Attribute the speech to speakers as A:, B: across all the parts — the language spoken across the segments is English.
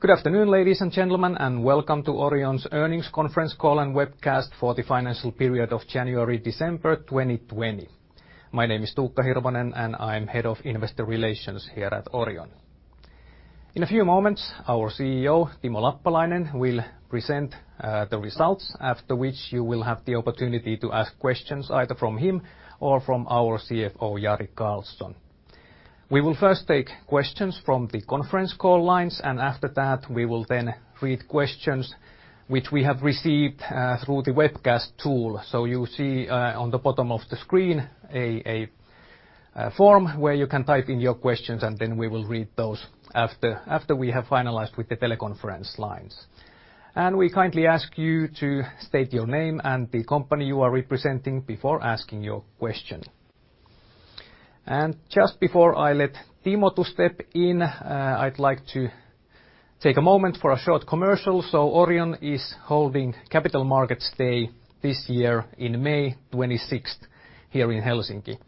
A: Good afternoon, ladies and gentlemen, and welcome to Orion's earnings conference call and webcast for the financial period of January-December 2020. My name is Tuukka Hirvonen, and I'm Head of Investor Relations here at Orion. In a few moments, our CEO Timo Lappalainen will present the results, after which you will have the opportunity to ask questions either from him or from our CFO Jari Karlson. We will first take questions from the conference call lines. After that, we will then read questions which we have received through the webcast tool. You see on the bottom of the screen a form where you can type in your questions. We will read those after we have finalized with the teleconference lines. We kindly ask you to state your name and the company you are representing before asking your question. Just before I let Timo to step in, I'd like to take a moment for a short commercial. Orion is holding Capital Markets Day this year on May 26th, here in Helsinki.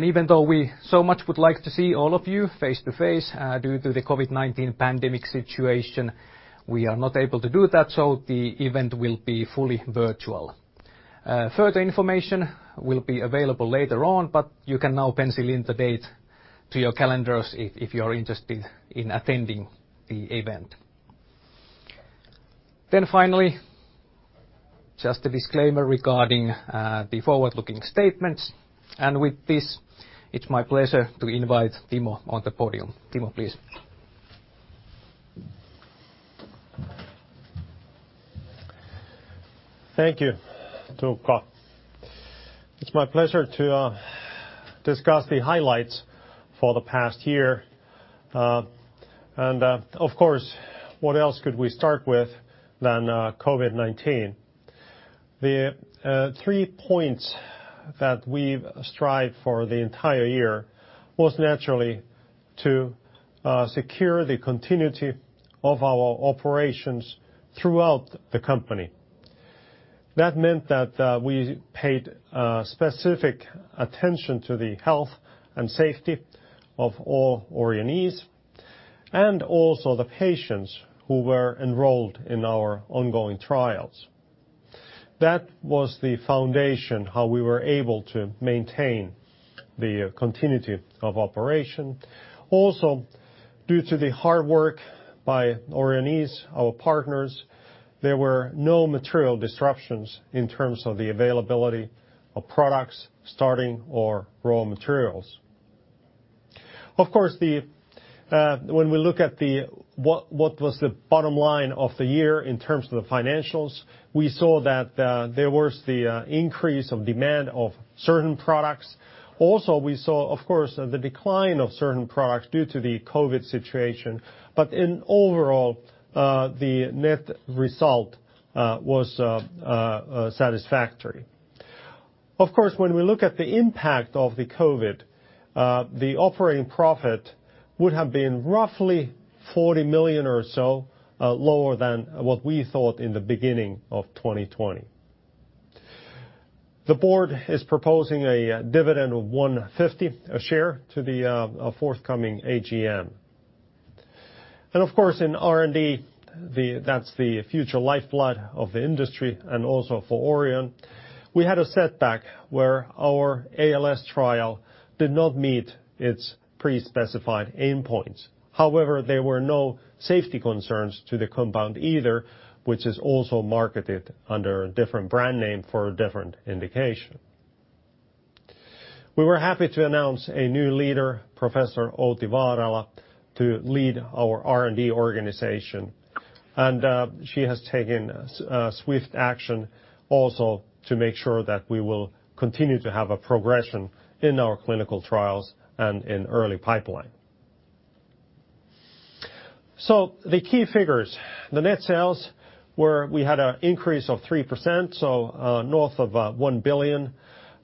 A: Even though we so much would like to see all of you face-to-face, due to the COVID-19 pandemic situation, we are not able to do that, so the event will be fully virtual. Further information will be available later on, but you can now pencil in the date to your calendars if you're interested in attending the event. Finally, just a disclaimer regarding the forward-looking statements. With this, it's my pleasure to invite Timo on the podium. Timo, please.
B: Thank you, Tuukka. It's my pleasure to discuss the highlights for the past year. Of course, what else could we start with than COVID-19? The three points that we've strived for the entire year was naturally to secure the continuity of our operations throughout the company. That meant that we paid specific attention to the health and safety of all Orionees and also the patients who were enrolled in our ongoing trials. That was the foundation, how we were able to maintain the continuity of operation. Due to the hard work by Orionees, our partners, there were no material disruptions in terms of the availability of products starting or raw materials. When we look at what was the bottom line of the year in terms of the financials, we saw that there was the increase of demand of certain products. We saw, of course, the decline of certain products due to the COVID situation. In overall, the net result was satisfactory. Of course, when we look at the impact of the COVID, the operating profit would have been roughly 40 million or so lower than what we thought in the beginning of 2020. The board is proposing a dividend of 1.50 a share to the forthcoming AGM. Of course, in R&D, that's the future lifeblood of the industry and also for Orion, we had a setback where our ALS trial did not meet its pre-specified endpoints. There were no safety concerns to the compound either, which is also marketed under a different brand name for a different indication. We were happy to announce a new leader, Professor Outi Vaarala to lead our R&D organization. She has taken swift action also to make sure that we will continue to have a progression in our clinical trials and in early pipeline. The key figures, the net sales were we had an increase of 3%, north of 1 billion.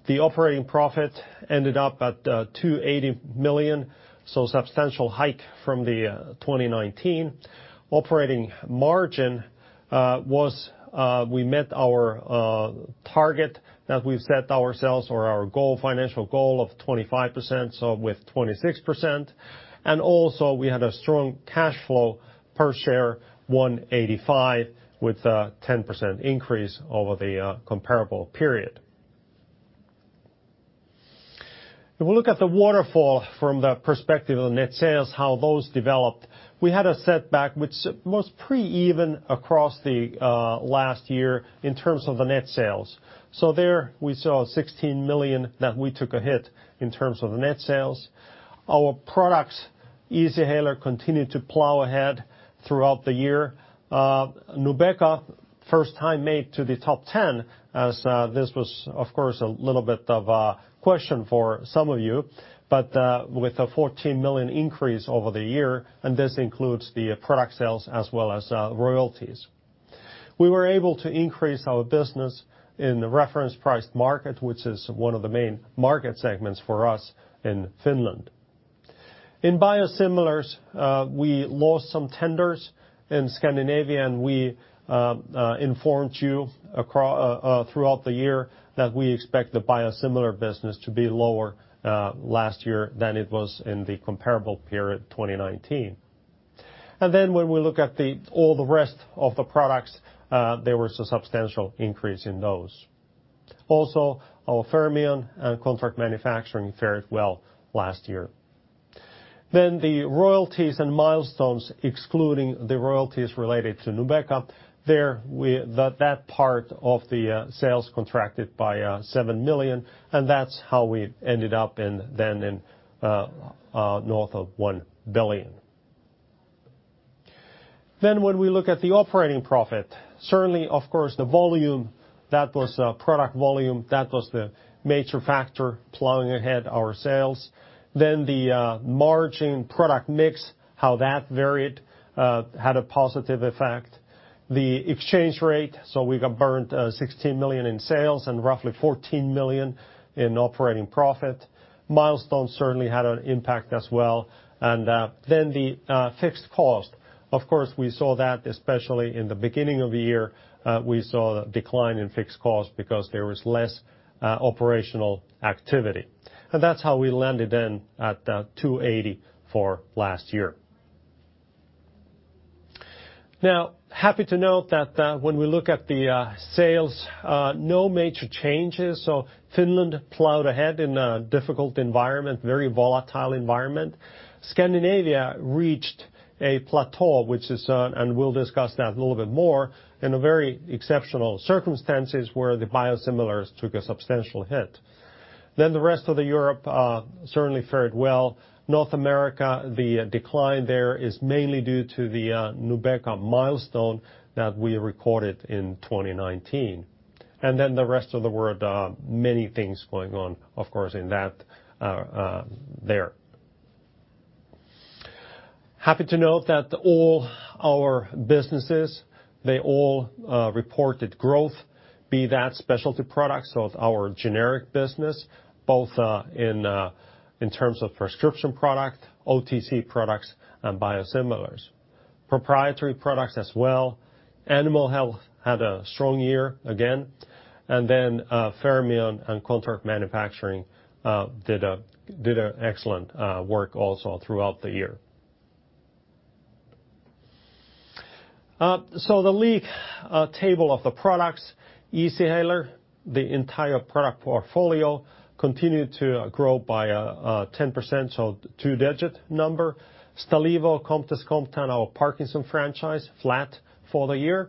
B: The operating profit ended up at 280 million, substantial hike from the 2019. Operating margin was we met our target that we've set ourselves or our financial goal of 25%, with 26%. Also we had a strong cash flow per share, 185 with a 10% increase over the comparable period. If we look at the waterfall from the perspective of net sales, how those developed, we had a setback which was pretty even across the last year in terms of the net sales. There we saw 16 million that we took a hit in terms of the net sales. Our products, Easyhaler continued to plow ahead throughout the year. NUBEQA, first time made to the top 10 as this was, of course, a little bit of a question for some of you, but with a 14 million increase over the year, and this includes the product sales as well as royalties. We were able to increase our business in the reference priced market, which is one of the main market segments for us in Finland. In biosimilars, we lost some tenders in Scandinavia, and we informed you throughout the year that we expect the biosimilar business to be lower last year than it was in the comparable period 2019. When we look at all the rest of the products, there was a substantial increase in those. Our Fermion and contract manufacturing fared well last year. The royalties and milestones, excluding the royalties related to NUBEQA, that part of the sales contracted by 7 million, and that's how we ended up in north of 1 billion. When we look at the operating profit, certainly, of course, the volume, that was product volume, the major factor plowing ahead our sales. The margin product mix, how that varied had a positive effect. The exchange rate, so we got burned 16 million in sales and roughly 14 million in operating profit. Milestones certainly had an impact as well. The fixed cost, of course, we saw that especially in the beginning of the year, we saw a decline in fixed costs because there was less operational activity. That's how we landed at 280 million for last year. Happy to note that when we look at the sales, no major changes. Finland plowed ahead in a difficult environment, very volatile environment. Scandinavia reached a plateau, we'll discuss that a little bit more, in very exceptional circumstances where the biosimilars took a substantial hit. The rest of Europe certainly fared well. North America, the decline there is mainly due to the NUBEQA milestone that we recorded in 2019. The rest of the world, many things going on, of course, in that there. Happy to note that all our businesses, they all reported growth, be that specialty products, our generic business, both in terms of prescription product, OTC products, and biosimilars. Proprietary products as well. Animal health had a strong year again, Fermion and contract manufacturing did excellent work also throughout the year. The league table of the products, Easyhaler, the entire product portfolio continued to grow by 10%, so two-digit number. Stalevo, Comtess, Comtan, our Parkinson's franchise, flat for the year.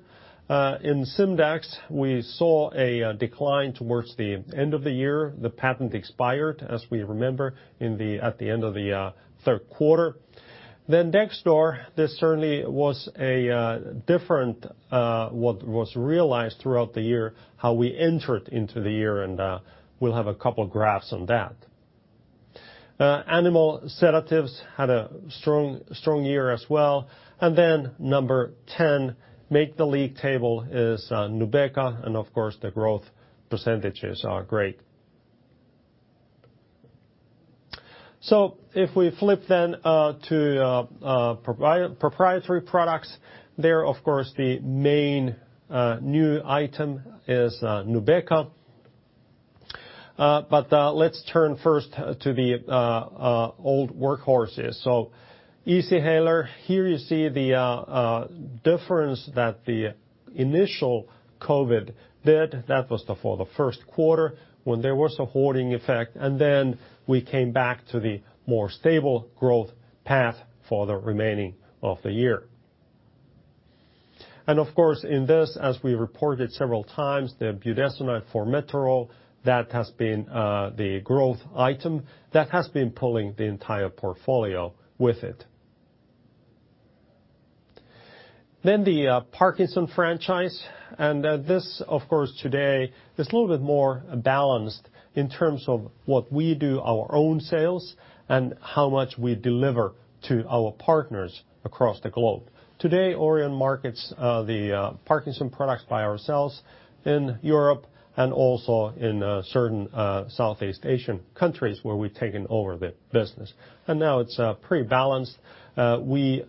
B: In SIMDAX, we saw a decline towards the end of the year. The patent expired, as we remember, at the end of the third quarter. dexdor, this certainly was different what was realized throughout the year, how we entered into the year, and we'll have a couple graphs on that. Animal sedatives had a strong year as well, number 10 make the league table is NUBEQA, and of course, the growth percentages are great. If we flip then to proprietary products, there, of course, the main new item is NUBEQA. Let's turn first to the old workhorses. Easyhaler, here you see the difference that the initial COVID did. That was for the first quarter when there was a hoarding effect, then we came back to the more stable growth path for the remaining of the year. Of course, in this, as we reported several times, the budesonide-formoterol, that has been the growth item that has been pulling the entire portfolio with it. The Parkinson franchise, and this, of course, today is a little bit more balanced in terms of what we do our own sales and how much we deliver to our partners across the globe. Today, Orion markets the Parkinson products by ourselves in Europe and also in certain Southeast Asian countries where we've taken over the business. Now it's pretty balanced. We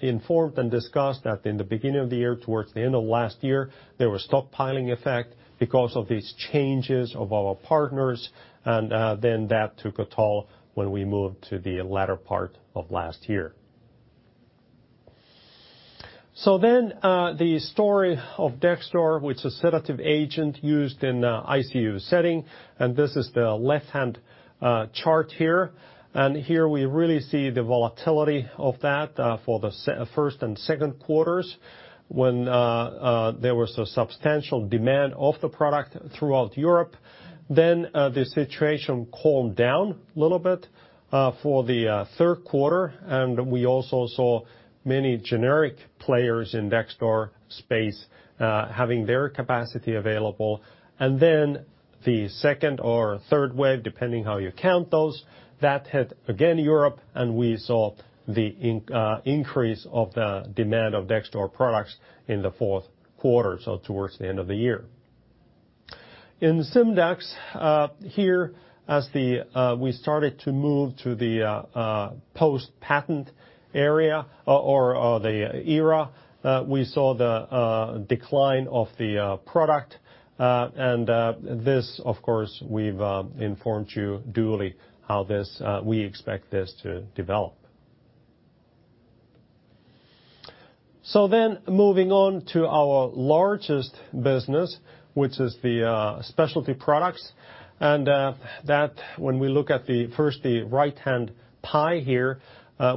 B: informed and discussed that in the beginning of the year, towards the end of last year, there was stockpiling effect because of these changes of our partners, and then that took a toll when we moved to the latter part of last year. The story of dexdor, which is a sedative agent used in ICU setting, and this is the left-hand chart here. Here we really see the volatility of that for the first and second quarters when there was a substantial demand of the product throughout Europe. The situation calmed down a little bit for the third quarter, and we also saw many generic players in dexdor space having their capacity available. The second or third wave, depending how you count those, that hit again Europe, and we saw the increase of the demand of dexdor products in the fourth quarter, so towards the end of the year. In SIMDAX, here, as we started to move to the post-patent era, we saw the decline of the product, and this, of course, we've informed you duly how we expect this to develop. Moving on to our largest business, which is the specialty products, and that when we look at first the right-hand pie here,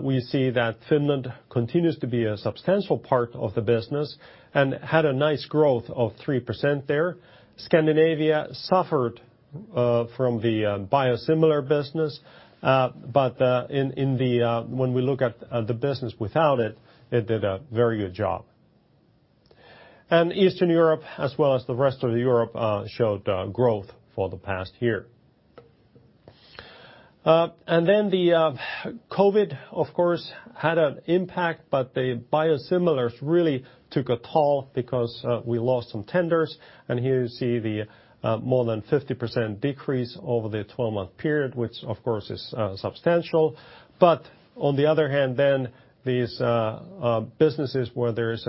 B: we see that Finland continues to be a substantial part of the business and had a nice growth of 3% there. Scandinavia suffered from the biosimilar business, but when we look at the business without it did a very good job. Eastern Europe as well as the rest of Europe showed growth for the past year. The COVID, of course, had an impact, but the biosimilars really took a toll because we lost some tenders. Here you see the more than 50% decrease over the 12-month period, which of course is substantial. On the other hand, then these businesses where there is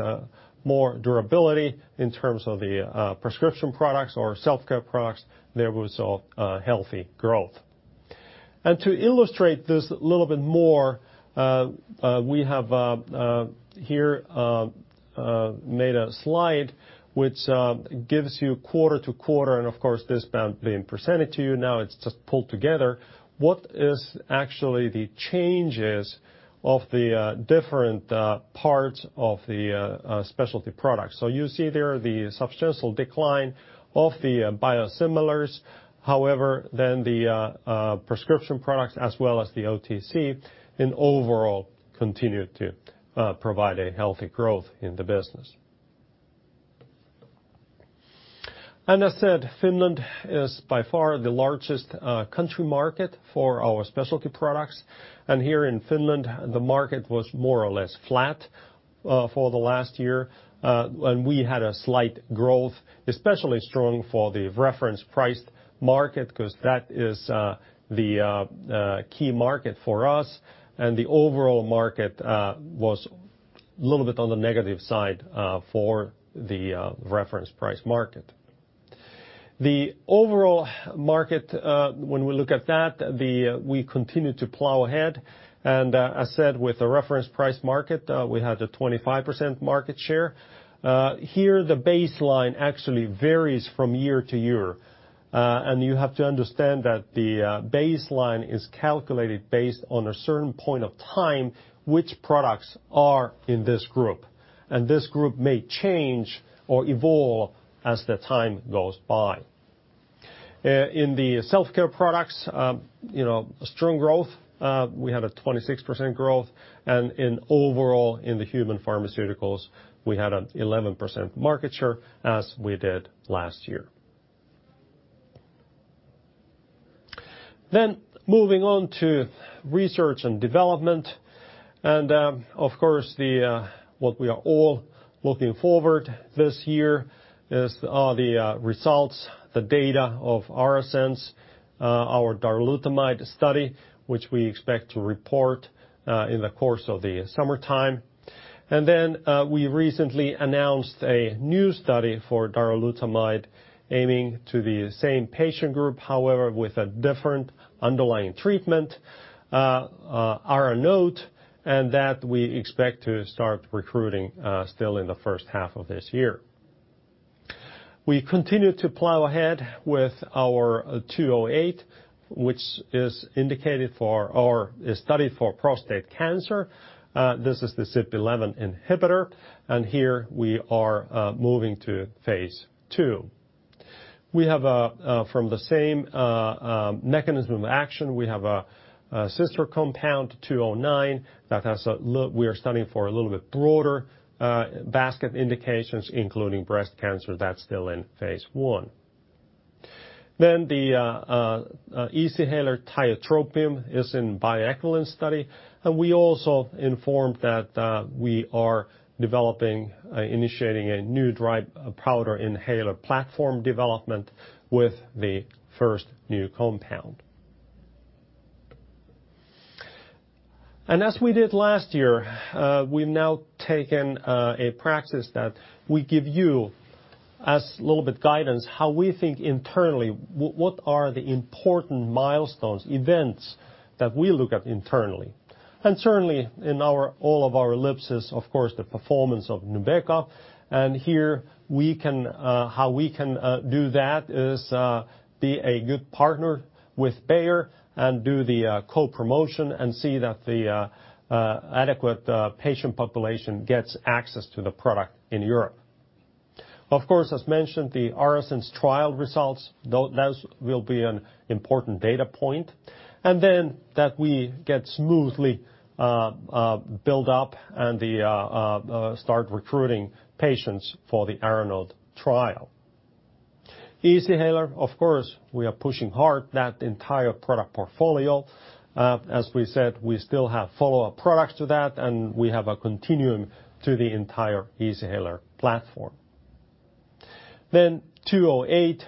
B: more durability in terms of the prescription products or self-care products, there we saw healthy growth. To illustrate this a little bit more, we have here made a slide which gives you quarter to quarter, and of course, this has been presented to you, now it's just pulled together, what is actually the changes of the different parts of the specialty products. You see there the substantial decline of the biosimilars, however, then the prescription products as well as the OTC in overall continued to provide a healthy growth in the business. As said, Finland is by far the largest country market for our specialty products, and here in Finland, the market was more or less flat for the last year. We had a slight growth, especially strong for the reference priced market because that is the key market for us and the overall market was little bit on the negative side for the reference price market. The overall market, when we look at that, we continue to plow ahead, and as said, with the reference price market, we had a 25% market share. Here, the baseline actually varies from year to year. You have to understand that the baseline is calculated based on a certain point of time, which products are in this group. This group may change or evolve as the time goes by. In the self-care products, strong growth. We had a 26% growth, and in overall in the human pharmaceuticals, we had an 11% market share as we did last year. Moving on to research and development, and of course, what we are all looking forward this year are the results, the data of ARASENS, our darolutamide study, which we expect to report in the course of the summertime. We recently announced a new study for darolutamide aiming to the same patient group, however, with a different underlying treatment, ARANOTE, and that we expect to start recruiting still in the first half of this year. We continue to plow ahead with our 208, which is indicated for our study for prostate cancer. This is the CYP11A1 inhibitor, and here we are moving to phase II. From the same mechanism action, we have a sister compound, ODM-209, that we are studying for a little bit broader basket indications, including breast cancer, that's still in phase I. The Easyhaler tiotropium is in bioequivalence study, and we also informed that we are initiating a new dry powder inhaler platform development with the first new compound. As we did last year, we've now taken a practice that we give you as little bit guidance, how we think internally, what are the important milestones, events that we look at internally. Certainly in all of our ellipses, of course, the performance of NUBEQA, and here how we can do that is be a good partner with Bayer and do the co-promotion and see that the adequate patient population gets access to the product in Europe. As mentioned, the ARASENS trial results, those will be an important data point. That we get smoothly build up and start recruiting patients for the ARANOTE trial. Easyhaler, of course, we are pushing hard that entire product portfolio. As we said, we still have follow-up products to that, and we have a continuum to the entire Easyhaler platform. Then 208,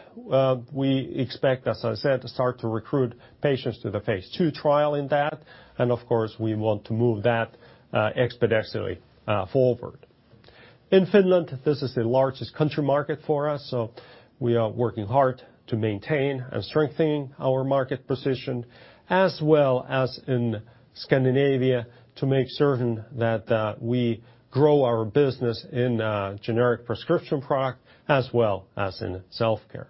B: we expect, as I said, to start to recruit patients to the phase II trial in that, and of course, we want to move that expeditiously forward. In Finland, this is the largest country market for us, so we are working hard to maintain and strengthen our market position as well as in Scandinavia to make certain that we grow our business in generic prescription product as well as in self-care.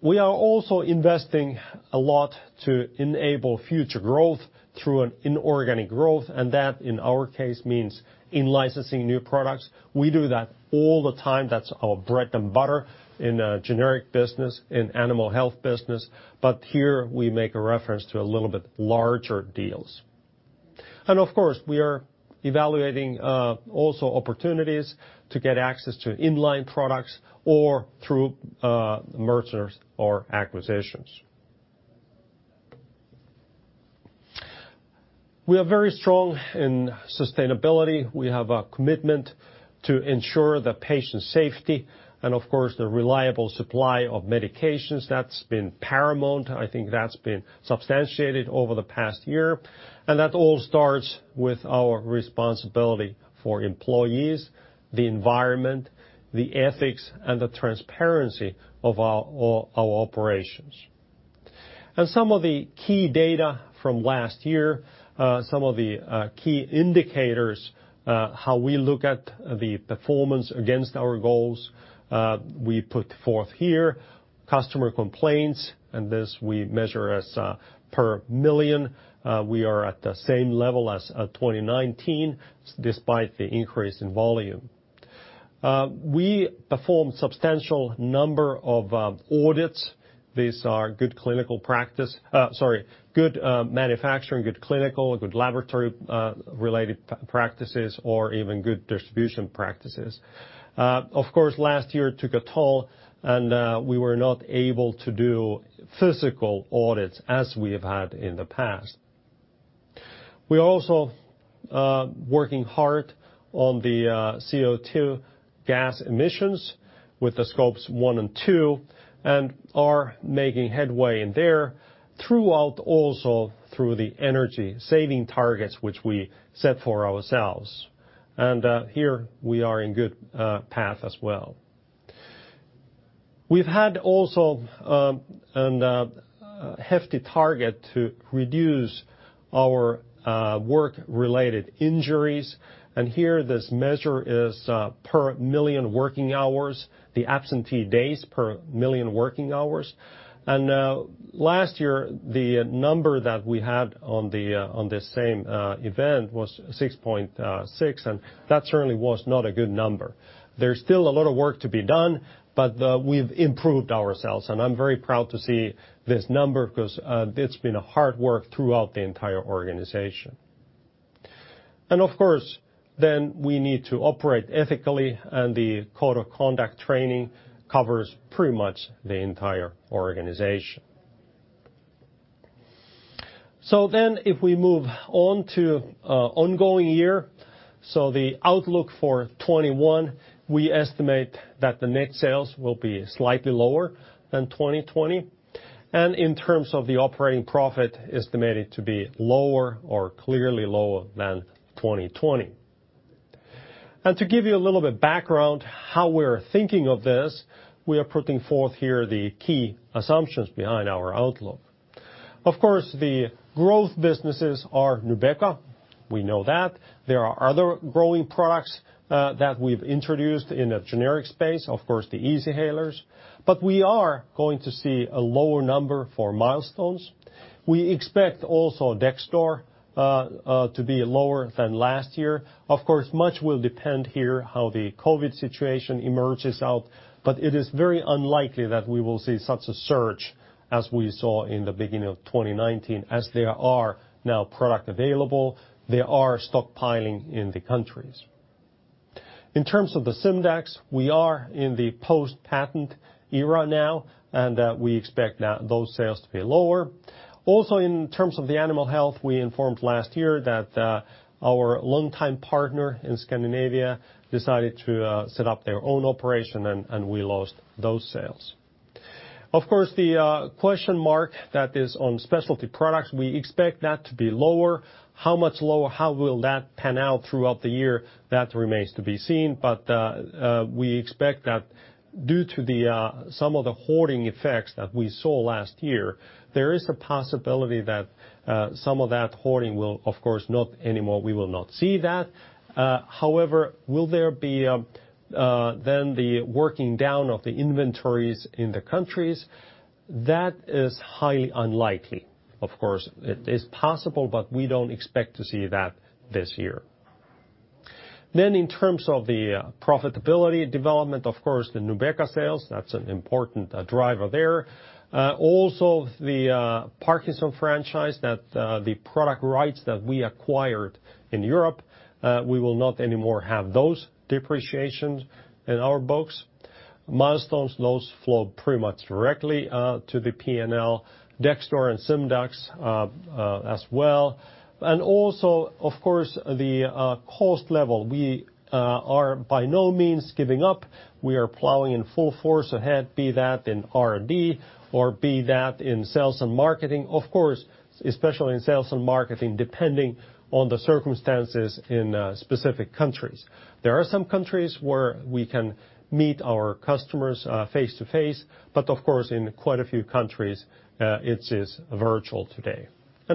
B: We are also investing a lot to enable future growth through an inorganic growth, and that, in our case, means in licensing new products. We do that all the time. That's our bread and butter in generic business, in animal health business, but here we make a reference to a little bit larger deals. Of course, we are evaluating also opportunities to get access to in-line products or through mergers or acquisitions. We are very strong in sustainability. We have a commitment to ensure the patient safety and of course, the reliable supply of medications. That's been paramount. That all starts with our responsibility for employees, the environment, the ethics, and the transparency of all our operations. Some of the key data from last year, some of the key indicators, how we look at the performance against our goals we put forth here, customer complaints, and this we measure as per million. We are at the same level as 2019, despite the increase in volume. We performed substantial number of audits. These are good manufacturing, good clinical, good laboratory-related practices, or even good distribution practices. Last year took a toll, and we were not able to do physical audits as we have had in the past. We are also working hard on the CO2 gas emissions with the scopes one and two and are making headway in there throughout also through the energy saving targets which we set for ourselves. Here we are in good path as well. We've had also a hefty target to reduce our work-related injuries, here this measure is per million working hours, the absentee days per million working hours. Last year, the number that we had on this same event was 6.6, that certainly was not a good number. There's still a lot of work to be done, we've improved ourselves, I'm very proud to see this number because it's been hard work throughout the entire organization. Of course, we need to operate ethically, the code of conduct training covers pretty much the entire organization. If we move on to ongoing year, so the outlook for 2021, we estimate that the net sales will be slightly lower than 2020. In terms of the operating profit, estimated to be lower or clearly lower than 2020. To give you a little bit background how we're thinking of this, we are putting forth here the key assumptions behind our outlook. Of course, the growth businesses are NUBEQA. We know that. There are other growing products that we've introduced in a generic space, of course, the Easyhalers, but we are going to see a lower number for milestones. We expect also dexdor to be lower than last year. Much will depend here how the COVID situation emerges out, but it is very unlikely that we will see such a surge as we saw in the beginning of 2019, as there are now product available. They are stockpiling in the countries. In terms of the SIMDAX, we are in the post-patent era now, and we expect those sales to be lower. In terms of the animal health, we informed last year that our longtime partner in Scandinavia decided to set up their own operation, and we lost those sales. The question mark that is on specialty products, we expect that to be lower. How much lower? How will that pan out throughout the year? That remains to be seen, but we expect that due to some of the hoarding effects that we saw last year, there is a possibility that some of that hoarding will, of course, not anymore, we will not see that. Will there be then the working down of the inventories in the countries? That is highly unlikely. Of course, it is possible, but we don't expect to see that this year. In terms of the profitability development, of course, the NUBEQA sales, that's an important driver there. The Parkinson franchise that the product rights that we acquired in Europe, we will not anymore have those depreciations in our books. Milestones, those flow pretty much directly to the P&L, dexdor and SIMDAX as well. Of course, the cost level. We are by no means giving up. We are plowing in full force ahead, be that in R&D or be that in sales and marketing. Of course, especially in sales and marketing, depending on the circumstances in specific countries. There are some countries where we can meet our customers face-to-face, but of course, in quite a few countries, it is virtual today.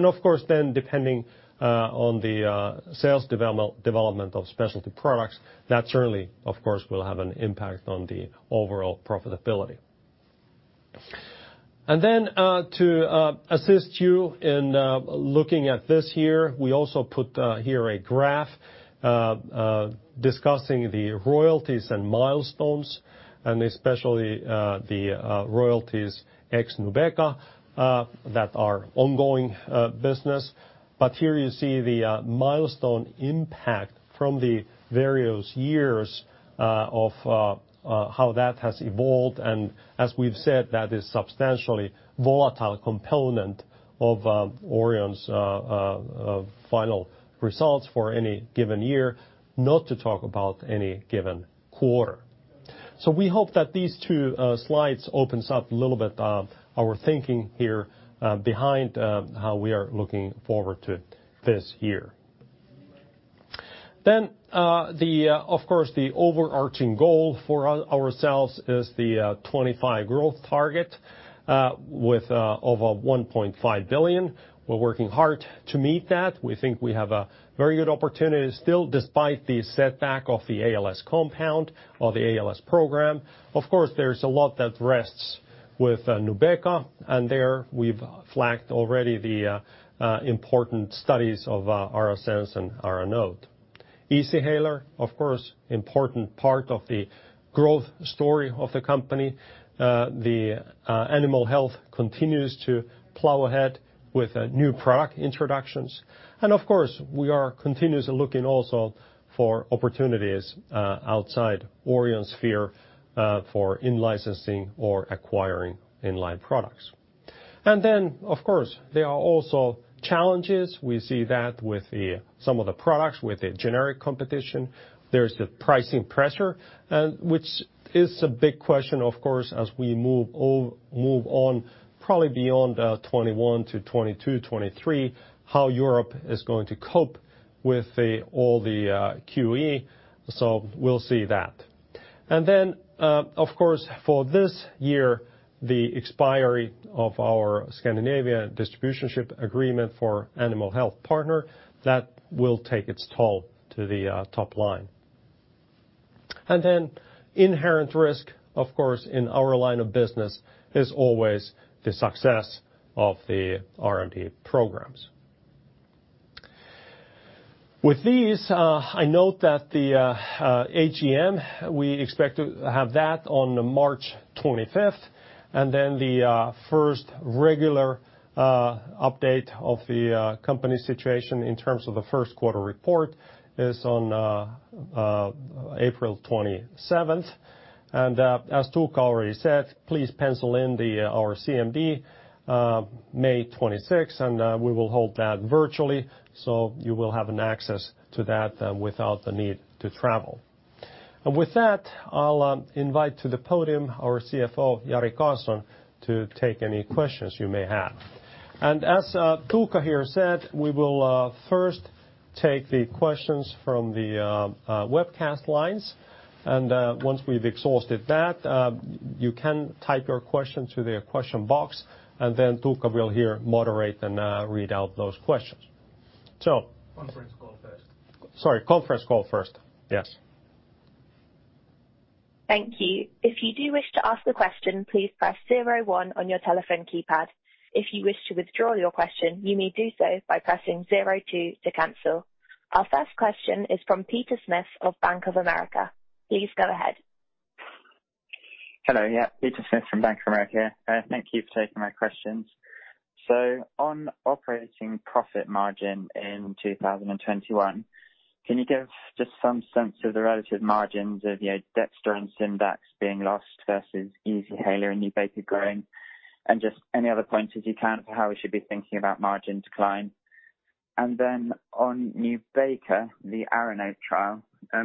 B: Of course, depending on the sales development of specialty products, that certainly, of course, will have an impact on the overall profitability. To assist you in looking at this year, we also put here a graph discussing the royalties and milestones, especially the royalties ex-NUBEQA that are ongoing business. Here you see the milestone impact from the various years of how that has evolved, and as we've said, that is substantially volatile component of Orion's final results for any given year, not to talk about any given quarter. We hope that these two slides open up a little bit our thinking here behind how we are looking forward to this year. Of course, the overarching goal for ourselves is the 2025 growth target with over 1.5 billion. We're working hard to meet that. We think we have a very good opportunity still, despite the setback of the ALS compound or the ALS program. Of course, there's a lot that rests with NUBEQA, and there we've flagged already the important studies of ARASENS and ARANOTE. Easyhaler, of course, important part of the growth story of the company. The animal health continues to plow ahead with new product introductions. Of course, we are continuously looking also for opportunities outside Orion sphere for in-licensing or acquiring in line products. Of course, there are also challenges. We see that with some of the products, with the generic competition. There's the pricing pressure, which is a big question, of course, as we move on probably beyond 2021 to 2022, 2023, how Europe is going to cope with all the QE. We'll see that. Then, of course, for this year, the expiry of our Scandinavian distributorship agreement for animal health partner, that will take its toll to the top line. Then inherent risk, of course, in our line of business is always the success of the R&D programs. With these, I note that the AGM, we expect to have that on March 25th, and then the first regular update of the company situation in terms of the first quarter report is on April 27th. As Tuukka already said, please pencil in our CMD, May 26, and we will hold that virtually, so you will have an access to that without the need to travel. With that, I'll invite to the podium our CFO, Jari Karlson, to take any questions you may have. As Tuukka here said, we will first take the questions from the webcast lines. Once we've exhausted that, you can type your question to the question box, and then Tuukka will here moderate and read out those questions.
A: Conference call first.
B: Sorry, conference call first. Yes.
C: Thank you. If you do wish to ask the question, please press zero one on your telephone keypad. If you wish to withdraw your question, you may do so by pressing zero two to cancel. Our first question is from Peter Smith of Bank of America. Please go ahead.
D: Hello. Peter Smith from Bank of America. Thank you for taking my questions. On operating profit margin in 2021, can you give just some sense of the relative margins of dexdor and SIMDAX being lost versus Easyhaler and NUBEQA growing? Just any other points as you can for how we should be thinking about margin decline. On NUBEQA, the ARANOTE trial,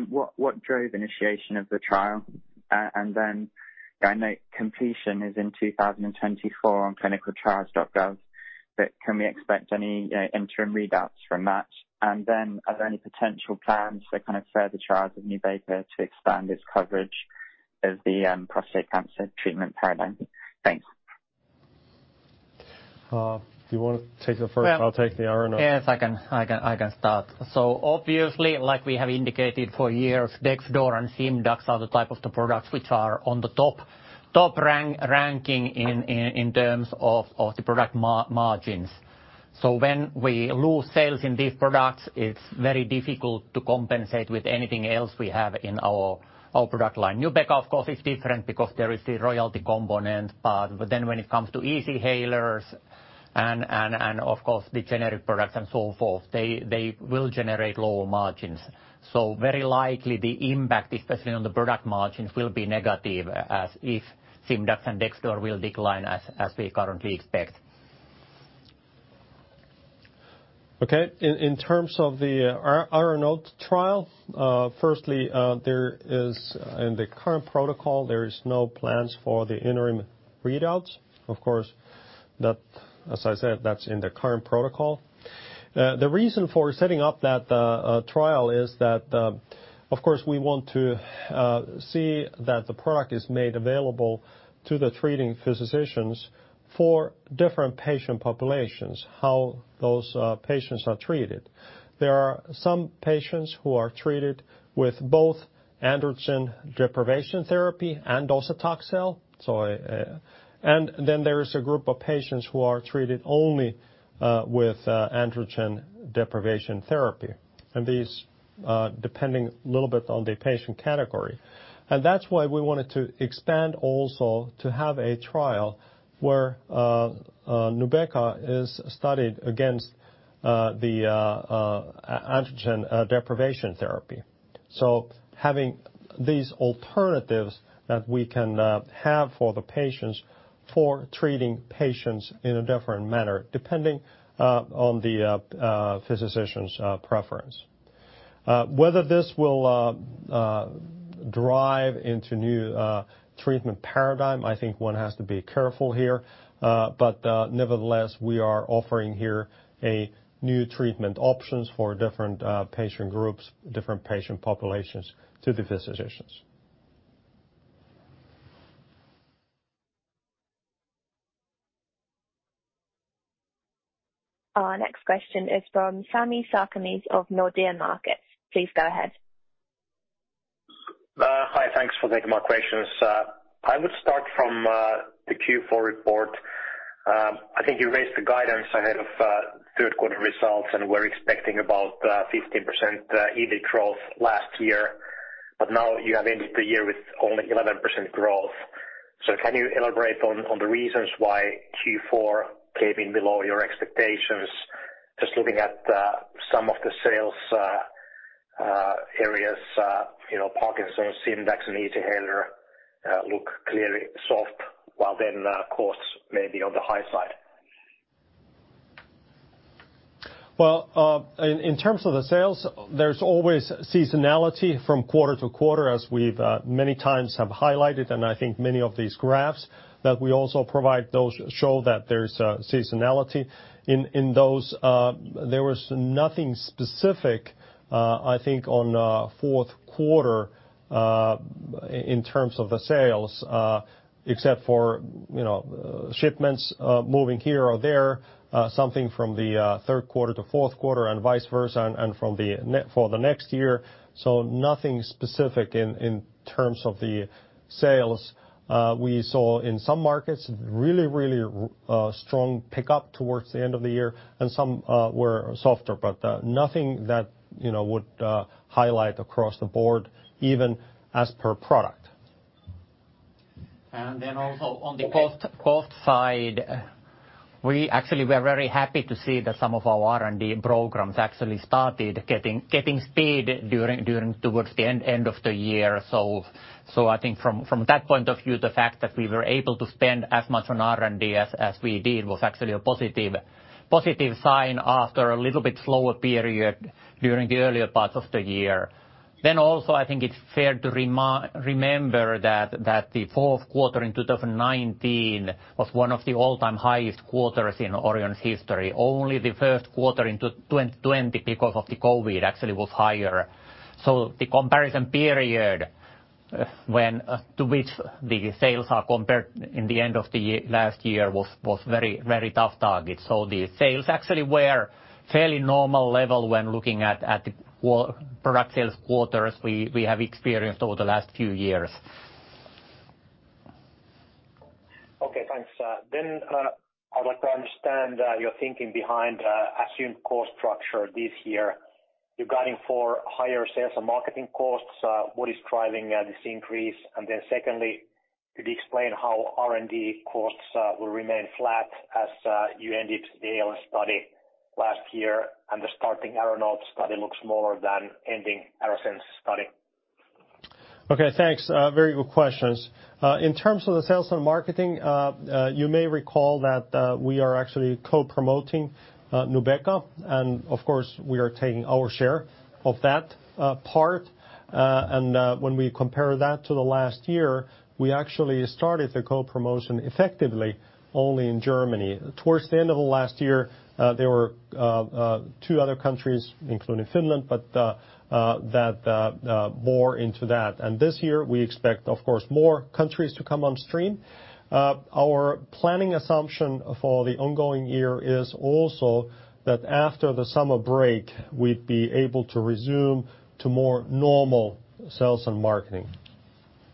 D: what drove initiation of the trial? I know completion is in 2024 on clinicaltrials.gov, can we expect any interim readouts from that? Are there any potential plans to kind of further the trials of NUBEQA to expand its coverage of the prostate cancer treatment paradigm? Thanks.
B: Do you want to take the first? I'll take the ARANOTE.
E: Yes, I can start. Obviously, like we have indicated for years, dexdor and SIMDAX are the type of the products which are on the top ranking in terms of the product margins. When we lose sales in these products, it is very difficult to compensate with anything else we have in our product line. NUBEQA, of course, is different because there is the royalty component, when it comes to Easyhalers and of course the generic products and so forth, they will generate lower margins. Very likely the impact, especially on the product margins, will be negative as if SIMDAX and dexdor will decline as we currently expect.
B: In terms of the ARANOTE trial, firstly, in the current protocol, there is no plans for the interim readouts. Of course, as I said, that's in the current protocol. The reason for setting up that trial is that, of course, we want to see that the product is made available to the treating physicians for different patient populations, how those patients are treated. There are some patients who are treated with both androgen deprivation therapy and docetaxel. Then there is a group of patients who are treated only with androgen deprivation therapy, and these depending a little bit on the patient category. That's why we wanted to expand also to have a trial where NUBEQA is studied against the androgen deprivation therapy. Having these alternatives that we can have for the patients for treating patients in a different manner, depending on the physician's preference. Whether this will drive into new treatment paradigm, I think one has to be careful here, but nevertheless, we are offering here a new treatment options for different patient groups, different patient populations, to the physicians.
C: Our next question is from Sami Sarkamies of Nordea Markets. Please go ahead.
F: Hi, thanks for taking my questions. I would start from the Q4 report. I think you raised the guidance ahead of third quarter results, and we're expecting about 15% EBIT growth last year, but now you have ended the year with only 11% growth. Can you elaborate on the reasons why Q4 came in below your expectations? Just looking at some of the sales areas, Parkinson's, SIMDAX and Easyhaler look clearly soft, while then costs may be on the high side.
B: Well, in terms of the sales, there's always seasonality from quarter to quarter as we've many times have highlighted and I think many of these graphs that we also provide those show that there's seasonality in those. There was nothing specific, I think on fourth quarter in terms of the sales except for shipments moving here or there, something from the third quarter to fourth quarter and vice versa and for the next year. Nothing specific in terms of the sales. We saw in some markets really strong pickup towards the end of the year and some were softer, nothing that would highlight across the board even as per product.
E: Also on the cost side, we actually were very happy to see that some of our R&D programs actually started getting speed towards the end of the year. I think from that point of view, the fact that we were able to spend as much on R&D as we did was actually a positive sign after a little bit slower period during the earlier parts of the year. Also I think it's fair to remember that the fourth quarter in 2019 was one of the all-time highest quarters in Orion's history. Only the first quarter in 2020 because of the COVID actually was higher. The comparison period to which the sales are compared in the end of the last year was very tough target. The sales actually were fairly normal level when looking at the product sales quarters we have experienced over the last few years.
F: Okay, thanks. I would like to understand your thinking behind assumed cost structure this year. You're guiding for higher sales and marketing costs. What is driving this increase? Secondly, could you explain how R&D costs will remain flat as you ended the ALS study last year and the starting ARANOTE study looks smaller than ending ARASENS study?
B: Okay, thanks. Very good questions. In terms of the sales and marketing, you may recall that we are actually co-promoting NUBEQA. Of course, we are taking our share of that part. When we compare that to the last year, we actually started the co-promotion effectively only in Germany. Towards the end of the last year, there were two other countries, including Finland. This year, we expect, of course, more countries to come on stream. Our planning assumption for the ongoing year is also that after the summer break, we'd be able to resume to more normal sales and marketing,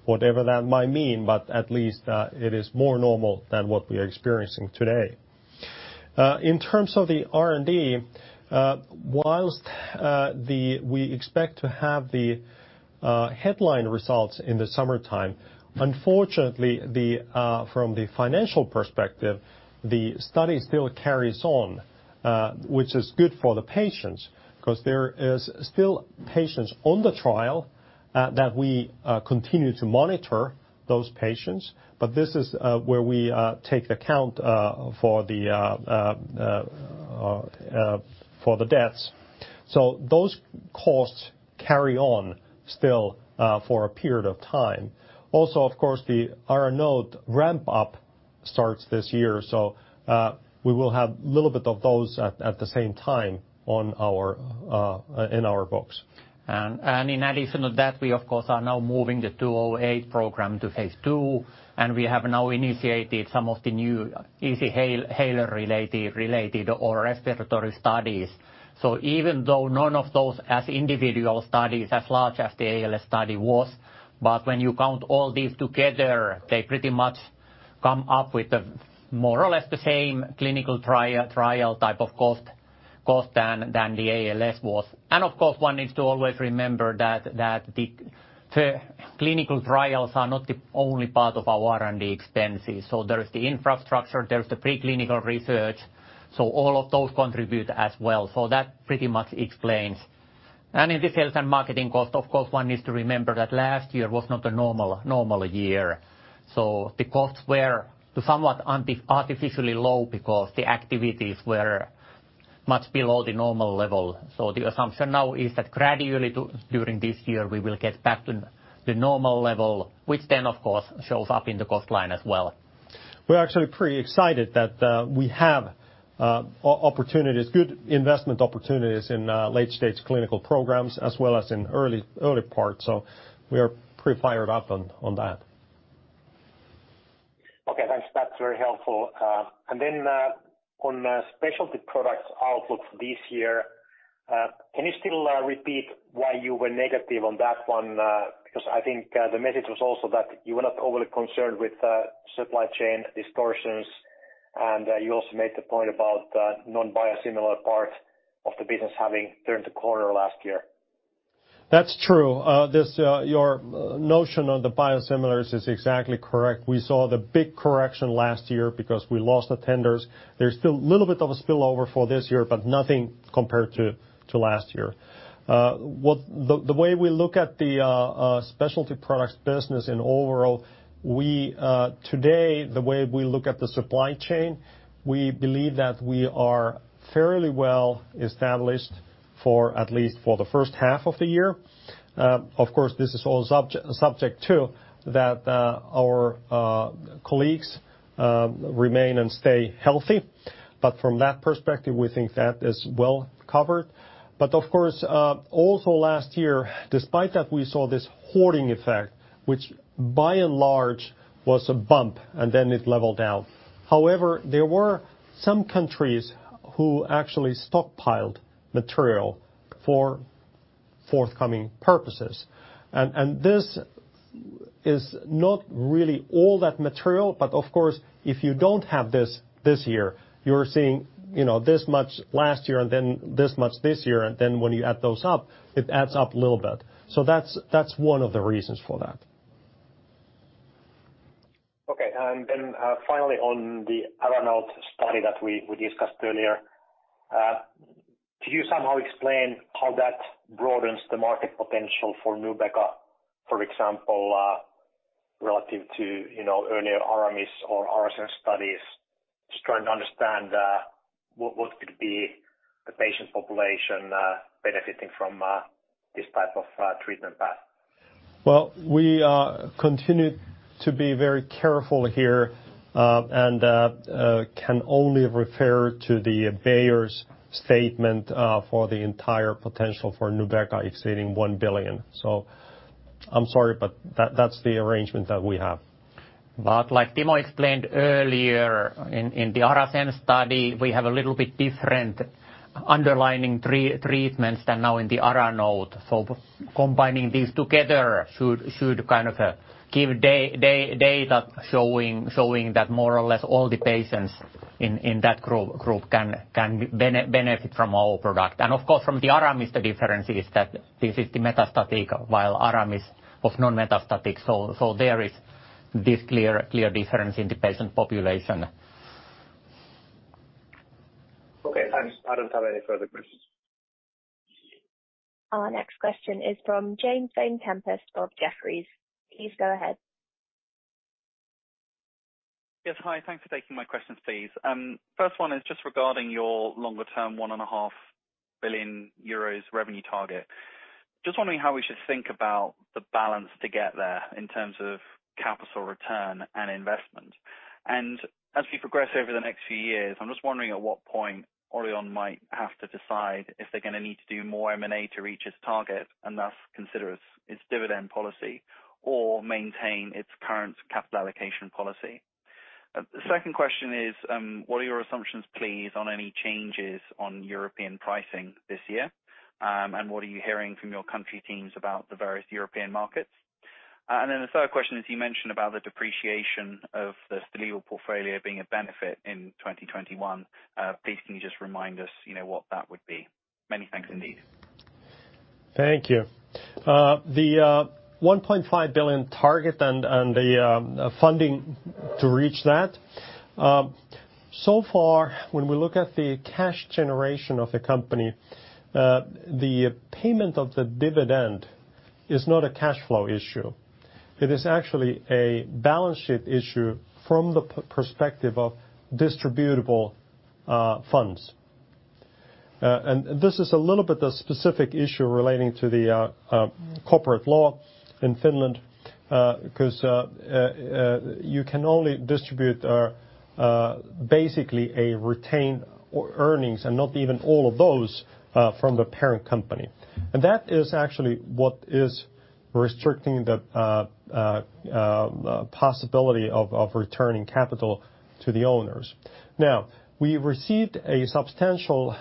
B: whatever that might mean. At least it is more normal than what we are experiencing today. In terms of the R&D, whilst we expect to have the headline results in the summertime, unfortunately, from the financial perspective, the study still carries on which is good for the patients because there is still patients on the trial that we continue to monitor those patients. This is where we take account for the debts. Those costs carry on still for a period of time. Also, of course, the ARANOTE ramp-up starts this year. We will have a little bit of those at the same time in our books.
E: In addition to that, we, of course, are now moving the 208 program to phase II, and we have now initiated some of the new Easyhaler related or respiratory studies. Even though none of those as individual studies as large as the ALS study was, but when you count all these together, they pretty much come up with more or less the same clinical trial type of cost than the ALS was. Of course, one needs to always remember that the clinical trials are not the only part of our R&D expenses. There is the infrastructure, there's the preclinical research. All of those contribute as well. That pretty much explains. In the sales and marketing cost, of course, one needs to remember that last year was not a normal year. The costs were somewhat artificially low because the activities were much below the normal level. The assumption now is that gradually during this year, we will get back to the normal level, which then, of course, shows up in the cost line as well.
B: We're actually pretty excited that we have good investment opportunities in late-stage clinical programs as well as in early parts. We are pretty fired up on that.
F: Okay, thanks. That's very helpful. On specialty products outlook for this year, can you still repeat why you were negative on that one? I think the message was also that you were not overly concerned with supply chain distortions, and you also made the point about non-biosimilar part of the business having turned a corner last year.
B: That's true. Your notion of the biosimilars is exactly correct. We saw the big correction last year because we lost the tenders. There's still a little bit of a spillover for this year, but nothing compared to last year. The way we look at the specialty products business in overall, today, the way we look at the supply chain, we believe that we are fairly well-established at least for the first half of the year. Of course, this is all subject to that our colleagues remain and stay healthy. From that perspective, we think that is well covered. Of course, also last year, despite that we saw this hoarding effect, which by and large was a bump and then it leveled out. There were some countries who actually stockpiled material for forthcoming purposes. This is not really all that material, but of course, if you don't have this year, you're seeing this much last year and then this much this year, and then when you add those up, it adds up a little bit. That's one of the reasons for that.
F: Okay. Finally, on the ARANOTE study that we discussed earlier, could you somehow explain how that broadens the market potential for NUBEQA, for example, relative to earlier ARAMIS or ARASENS studies? Just trying to understand what could be the patient population benefiting from this type of treatment path.
B: We continue to be very careful here and can only refer to the Bayer's statement for the entire potential for NUBEQA exceeding 1 billion. I'm sorry, but that's the arrangement that we have.
E: Like Timo explained earlier, in the ARASENS study, we have a little bit different underlying treatments than now in the ARANOTE. Combining these together should kind of give data showing that more or less all the patients in that group can benefit from our product. Of course, from the ARAMIS, the difference is that this is the metastatic while ARAMIS of non-metastatic. There is this clear difference in the patient population.
F: Okay. I don't have any further questions.
C: Our next question is from James Vane-Tempest of Jefferies. Please go ahead.
G: Yes, hi. Thanks for taking my questions, please. First one is just regarding your longer term 1.5 billion euros revenue target. Just wondering how we should think about the balance to get there in terms of capital return and investment. As we progress over the next few years, I'm just wondering at what point Orion might have to decide if they're going to need to do more M&A to reach its target, and thus consider its dividend policy or maintain its current capital allocation policy. The second question is, what are your assumptions, please, on any changes on European pricing this year? What are you hearing from your country teams about the various European markets? The third question is, you mentioned about the depreciation of the Stalevo portfolio being a benefit in 2021. Please can you just remind us what that would be? Many thanks indeed.
B: Thank you. The 1.5 billion target and the funding to reach that. Far, when we look at the cash generation of the company, the payment of the dividend is not a cash flow issue. It is actually a balance sheet issue from the perspective of distributable funds. This is a little bit of a specific issue relating to the corporate law in Finland because you can only distribute basically a retained earnings, and not even all of those from the parent company. That is actually what is restricting the possibility of returning capital to the owners. Now we received a substantial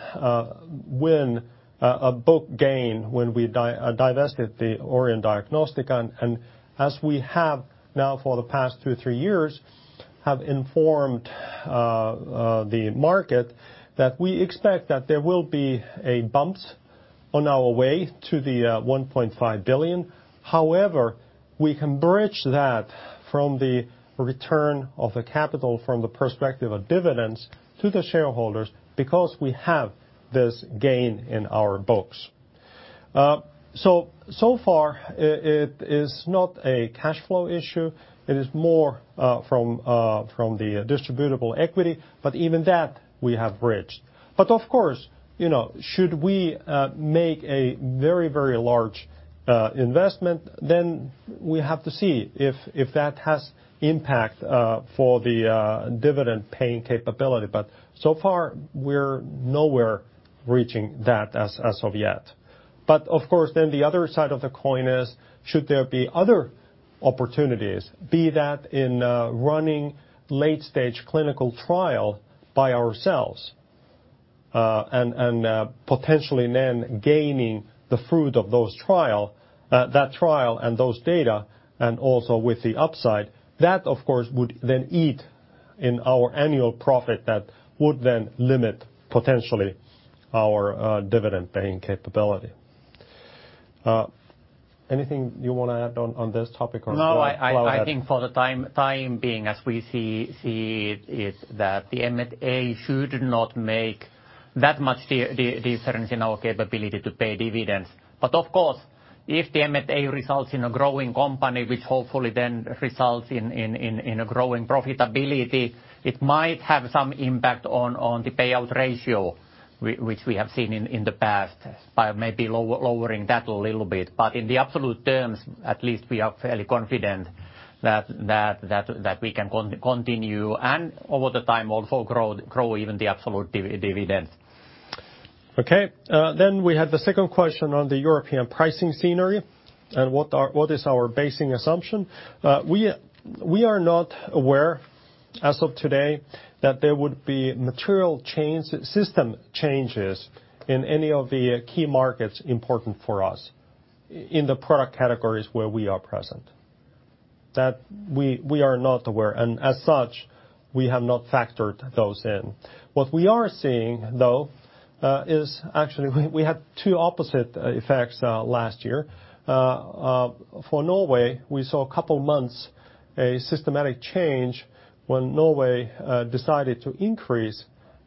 B: win, a book gain when we divested the Orion Diagnostica and as we have now for the past two, three years have informed the market that we expect that there will be a bumps on our way to the 1.5 billion. We can bridge that from the return of a capital from the perspective of dividends to the shareholders because we have this gain in our books. It is not a cash flow issue. It is more from the distributable equity, but even that we have bridged. Of course, should we make a very large investment, then we have to see if that has impact for the dividend paying capability. So far we're nowhere reaching that as of yet. Of course, then the other side of the coin is should there be other opportunities, be that in running late-stage clinical trial by ourselves, and potentially then gaining the fruit of that trial and those data and also with the upside, that of course would then eat in our annual profit that would then limit potentially our dividend paying capability. Anything you want to add on this topic?
E: No, I think for the time being, as we see it, is that the M&A should not make that much difference in our capability to pay dividends. Of course, if the M&A results in a growing company, which hopefully then results in a growing profitability, it might have some impact on the payout ratio, which we have seen in the past by maybe lowering that a little bit. In the absolute terms at least, we are fairly confident that we can continue and over the time also grow even the absolute dividend.
B: Okay. We had the second question on the European pricing scenery and what is our basing assumption. We are not aware as of today that there would be material system changes in any of the key markets important for us in the product categories where we are present. That we are not aware and as such, we have not factored those in. What we are seeing though, is actually we had two opposite effects last year. For Norway, we saw a couple of months a systematic change when Norway decided to increase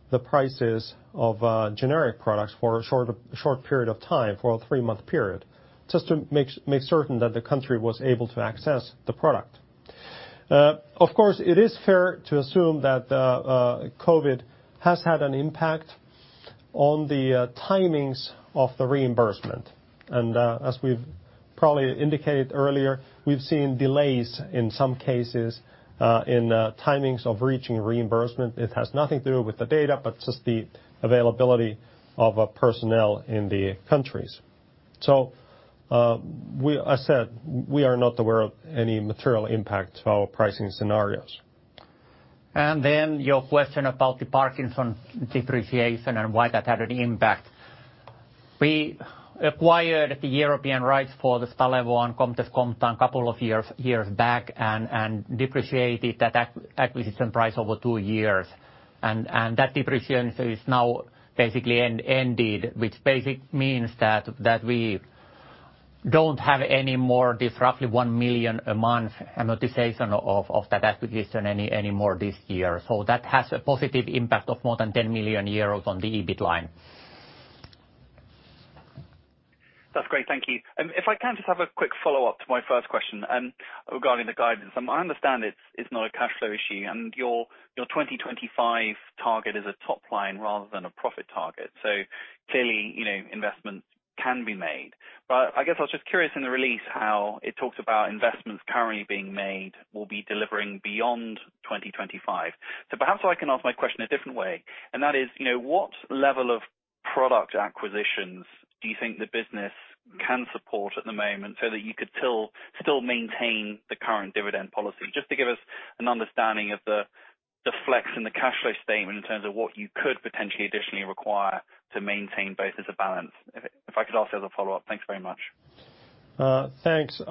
B: the prices of generic products for a short period of time, for a three-month period, just to make certain that the country was able to access the product. Of course, it is fair to assume that COVID has had an impact on the timings of the reimbursement. As we've probably indicated earlier, we've seen delays in some cases in timings of reaching reimbursement. It has nothing to do with the data, but just the availability of personnel in the countries. I said, we are not aware of any material impact to our pricing scenarios.
E: Your question about the Parkinson's depreciation and why that had an impact. We acquired the European rights for the Stalevo and Comtess, Comtan a couple of years back and depreciated that acquisition price over two years. That depreciation is now basically ended, which basically means that we don't have any more this roughly 1 million a month amortization of that acquisition any more this year. That has a positive impact of more than 10 million euros on the EBIT line.
G: That's great. Thank you. If I can just have a quick follow-up to my first question regarding the guidance. I understand it's not a cash flow issue and your 2025 target is a top line rather than a profit target. Clearly, investments can be made. I guess I was just curious in the release how it talks about investments currently being made will be delivering beyond 2025. Perhaps I can ask my question a different way, and that is what level of product acquisitions do you think the business can support at the moment so that you could still maintain the current dividend policy? Just to give us an understanding of the flex in the cash flow statement in terms of what you could potentially additionally require to maintain both as a balance. If I could also have a follow-up. Thanks very much.
B: Thanks.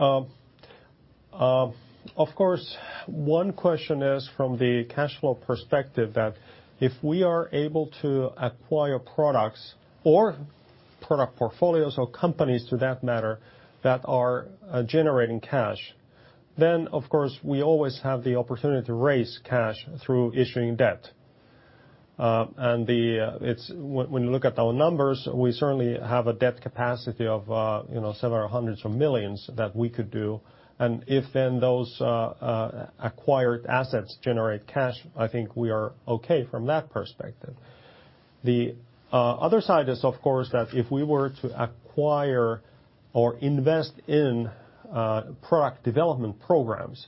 B: Of course, one question is from the cash flow perspective that if we are able to acquire products or product portfolios or companies to that matter that are generating cash, then of course we always have the opportunity to raise cash through issuing debt. When you look at our numbers, we certainly have a debt capacity of several hundreds of millions that we could do. If then those acquired assets generate cash, I think we are okay from that perspective. The other side is, of course, that if we were to acquire or invest in product development programs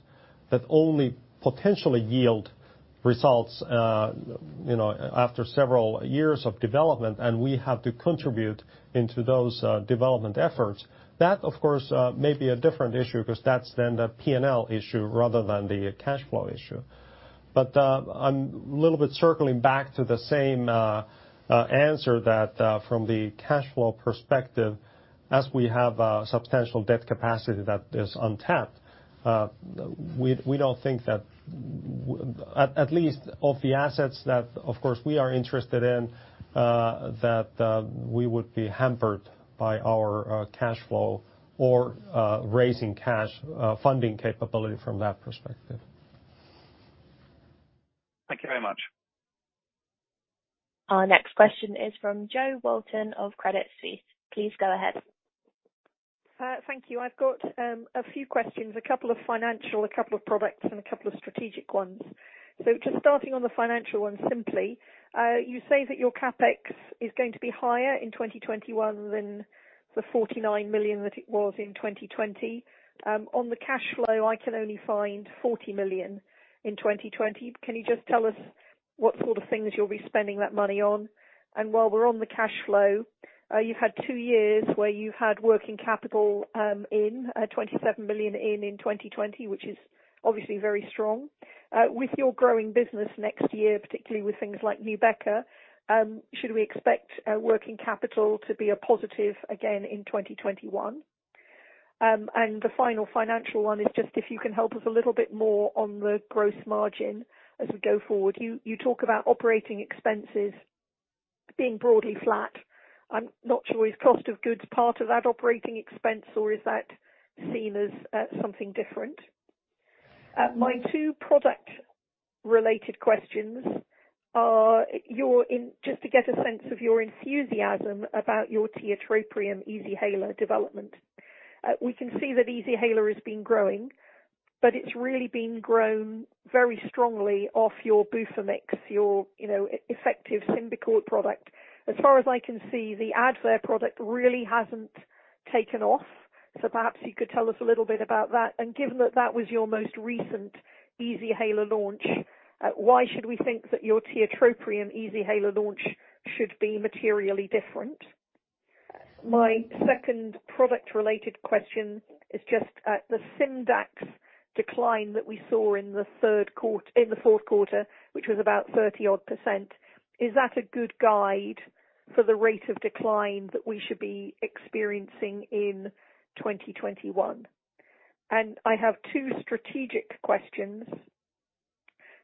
B: that only potentially yield results after several years of development, and we have to contribute into those development efforts, that of course may be a different issue because that's then the P&L issue rather than the cash flow issue. I'm a little bit circling back to the same answer that from the cash flow perspective, as we have a substantial debt capacity that is untapped, we don't think that at least of the assets that, of course, we are interested in, that we would be hampered by our cash flow or raising cash funding capability from that perspective.
G: Thank you very much.
C: Our next question is from Jo Walton of Credit Suisse. Please go ahead.
H: Thank you. I've got a few questions, a couple of financial, a couple of products, and a couple of strategic ones. Just starting on the financial one simply, you say that your CapEx is going to be higher in 2021 than the 49 million that it was in 2020. On the cash flow, I can only find 40 million in 2020. Can you just tell us what sort of things you'll be spending that money on? While we're on the cash flow, you've had two years where you've had working capital in at 27 million in 2020, which is obviously very strong. With your growing business next year, particularly with things like NUBEQA, should we expect working capital to be a positive again in 2021? The final financial one is just if you can help us a little bit more on the gross margin as we go forward. You talk about operating expenses being broadly flat. I'm not sure, is cost of goods part of that operating expense, or is that seen as something different? My two product-related questions are just to get a sense of your enthusiasm about your tiotropium Easyhaler development. We can see that Easyhaler has been growing, but it's really been grown very strongly off your Bufomix, your effective SYMBICORT product. As far as I can see, the Advair product really hasn't taken off. Perhaps you could tell us a little bit about that. Given that that was your most recent Easyhaler launch, why should we think that your tiotropium Easyhaler launch should be materially different? My second product-related question is just the SIMDAX decline that we saw in the fourth quarter, which was about 30-odd%. Is that a good guide for the rate of decline that we should be experiencing in 2021? I have two strategic questions.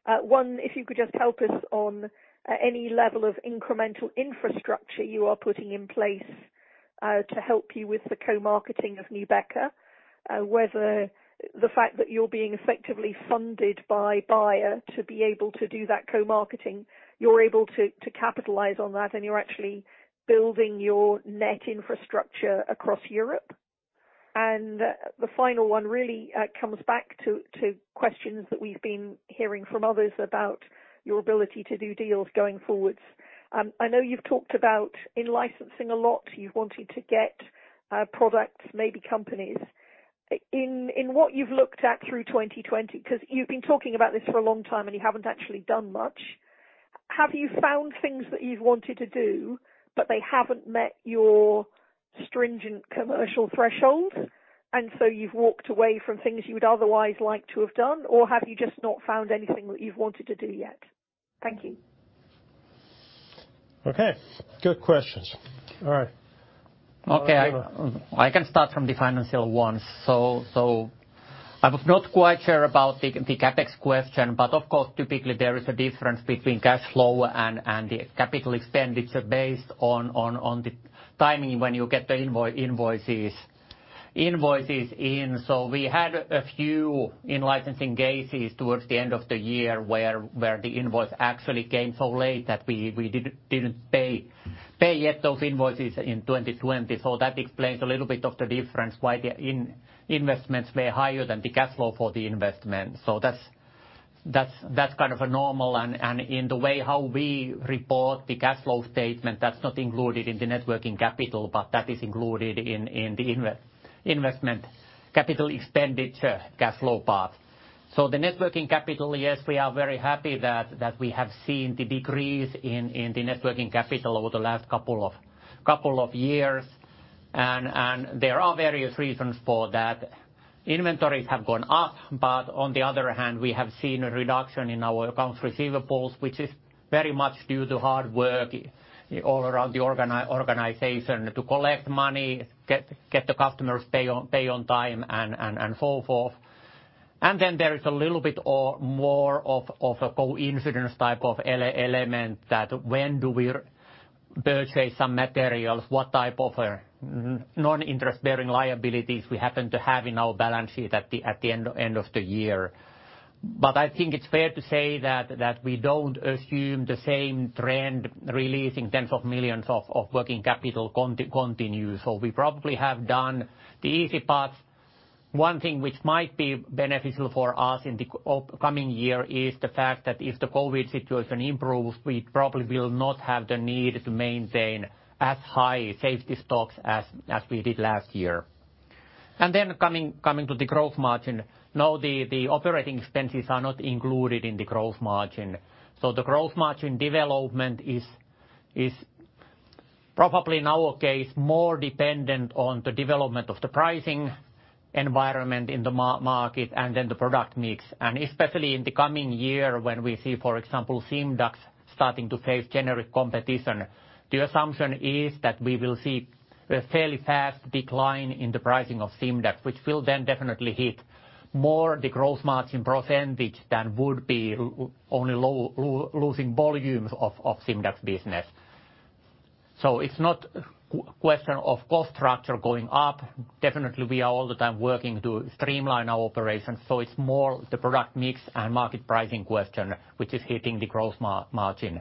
H: One, if you could just help us on any level of incremental infrastructure you are putting in place to help you with the co-marketing of NUBEQA, whether the fact that you're being effectively funded by Bayer to be able to do that co-marketing, you're able to capitalize on that, and you're actually building your net infrastructure across Europe. The final one really comes back to questions that we've been hearing from others about your ability to do deals going forwards. I know you've talked about in licensing a lot, you've wanted to get products, maybe companies. In what you've looked at through 2020, because you've been talking about this for a long time and you haven't actually done much, have you found things that you've wanted to do, but they haven't met your stringent commercial thresholds, and so you've walked away from things you would otherwise like to have done, or have you just not found anything that you've wanted to do yet? Thank you.
B: Okay. Good questions. All right.
E: Okay. I can start from the financial ones. I was not quite sure about the CapEx question, but of course, typically there is a difference between cash flow and the capital expenditure based on the timing when you get the invoices in. We had a few in licensing cases towards the end of the year where the invoice actually came so late that we didn't pay yet those invoices in 2020. That explains a little bit of the difference why the investments were higher than the cash flow for the investment. That's kind of a normal and in the way how we report the cash flow statement, that's not included in the net working capital, but that is included in the investment capital expenditure cash flow part. The net working capital, yes, we are very happy that we have seen the decrease in the net working capital over the last couple of years. There are various reasons for that. Inventories have gone up, but on the other hand, we have seen a reduction in our accounts receivables, which is very much due to hard work all around the organization to collect money, get the customers pay on time, and so forth. Then there is a little bit more of a coincidence type of element that when do we purchase some materials, what type of non-interest-bearing liabilities we happen to have in our balance sheet at the end of the year. I think it's fair to say that we don't assume the same trend releasing tens of millions of working capital continues. We probably have done the easy part. One thing which might be beneficial for us in the upcoming year is the fact that if the COVID situation improves, we probably will not have the need to maintain as high safety stocks as we did last year. Coming to the gross margin. No, the operating expenses are not included in the gross margin. The gross margin development is probably in our case, more dependent on the development of the pricing environment in the market and then the product mix, and especially in the coming year when we see, for example, SIMDAX starting to face generic competition. The assumption is that we will see a fairly fast decline in the pricing of SIMDAX, which will then definitely hit more the gross margin percentage than would be only losing volumes of SIMDAX business. It's not a question of cost structure going up. Definitely, we are all the time working to streamline our operations. It's more the product mix and market pricing question, which is hitting the gross margin.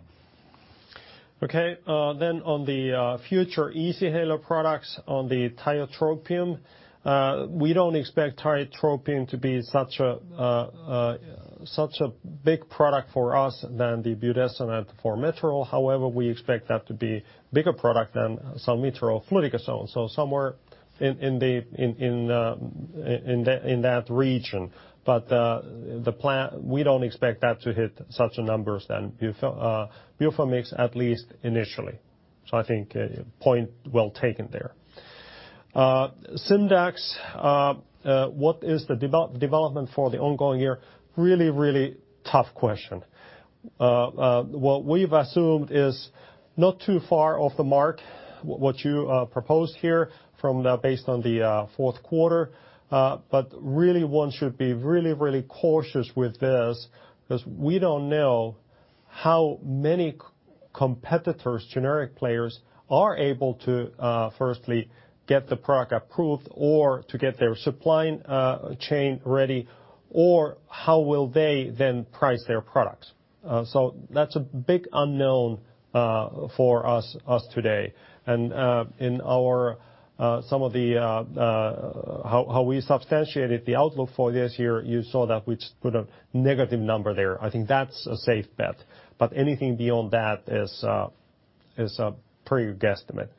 B: Okay. On the future Easyhaler products on the tiotropium, we don't expect tiotropium to be such a big product for us than the budesonide-formoterol. However, we expect that to be bigger product than salmeterol fluticasone, so somewhere in that region. We don't expect that to hit such numbers than Bufomix at least initially. I think point well taken there. SIMDAX, what is the development for the ongoing year? Really tough question. What we've assumed is not too far off the mark, what you proposed here based on the fourth quarter. Really one should be really cautious with this because we don't know how many competitors, generic players, are able to firstly get the product approved or to get their supply chain ready, or how will they then price their products. That's a big unknown for us today. In how we substantiated the outlook for this year, you saw that we just put a negative number there. I think that's a safe bet, but anything beyond that is a pure guesstimate.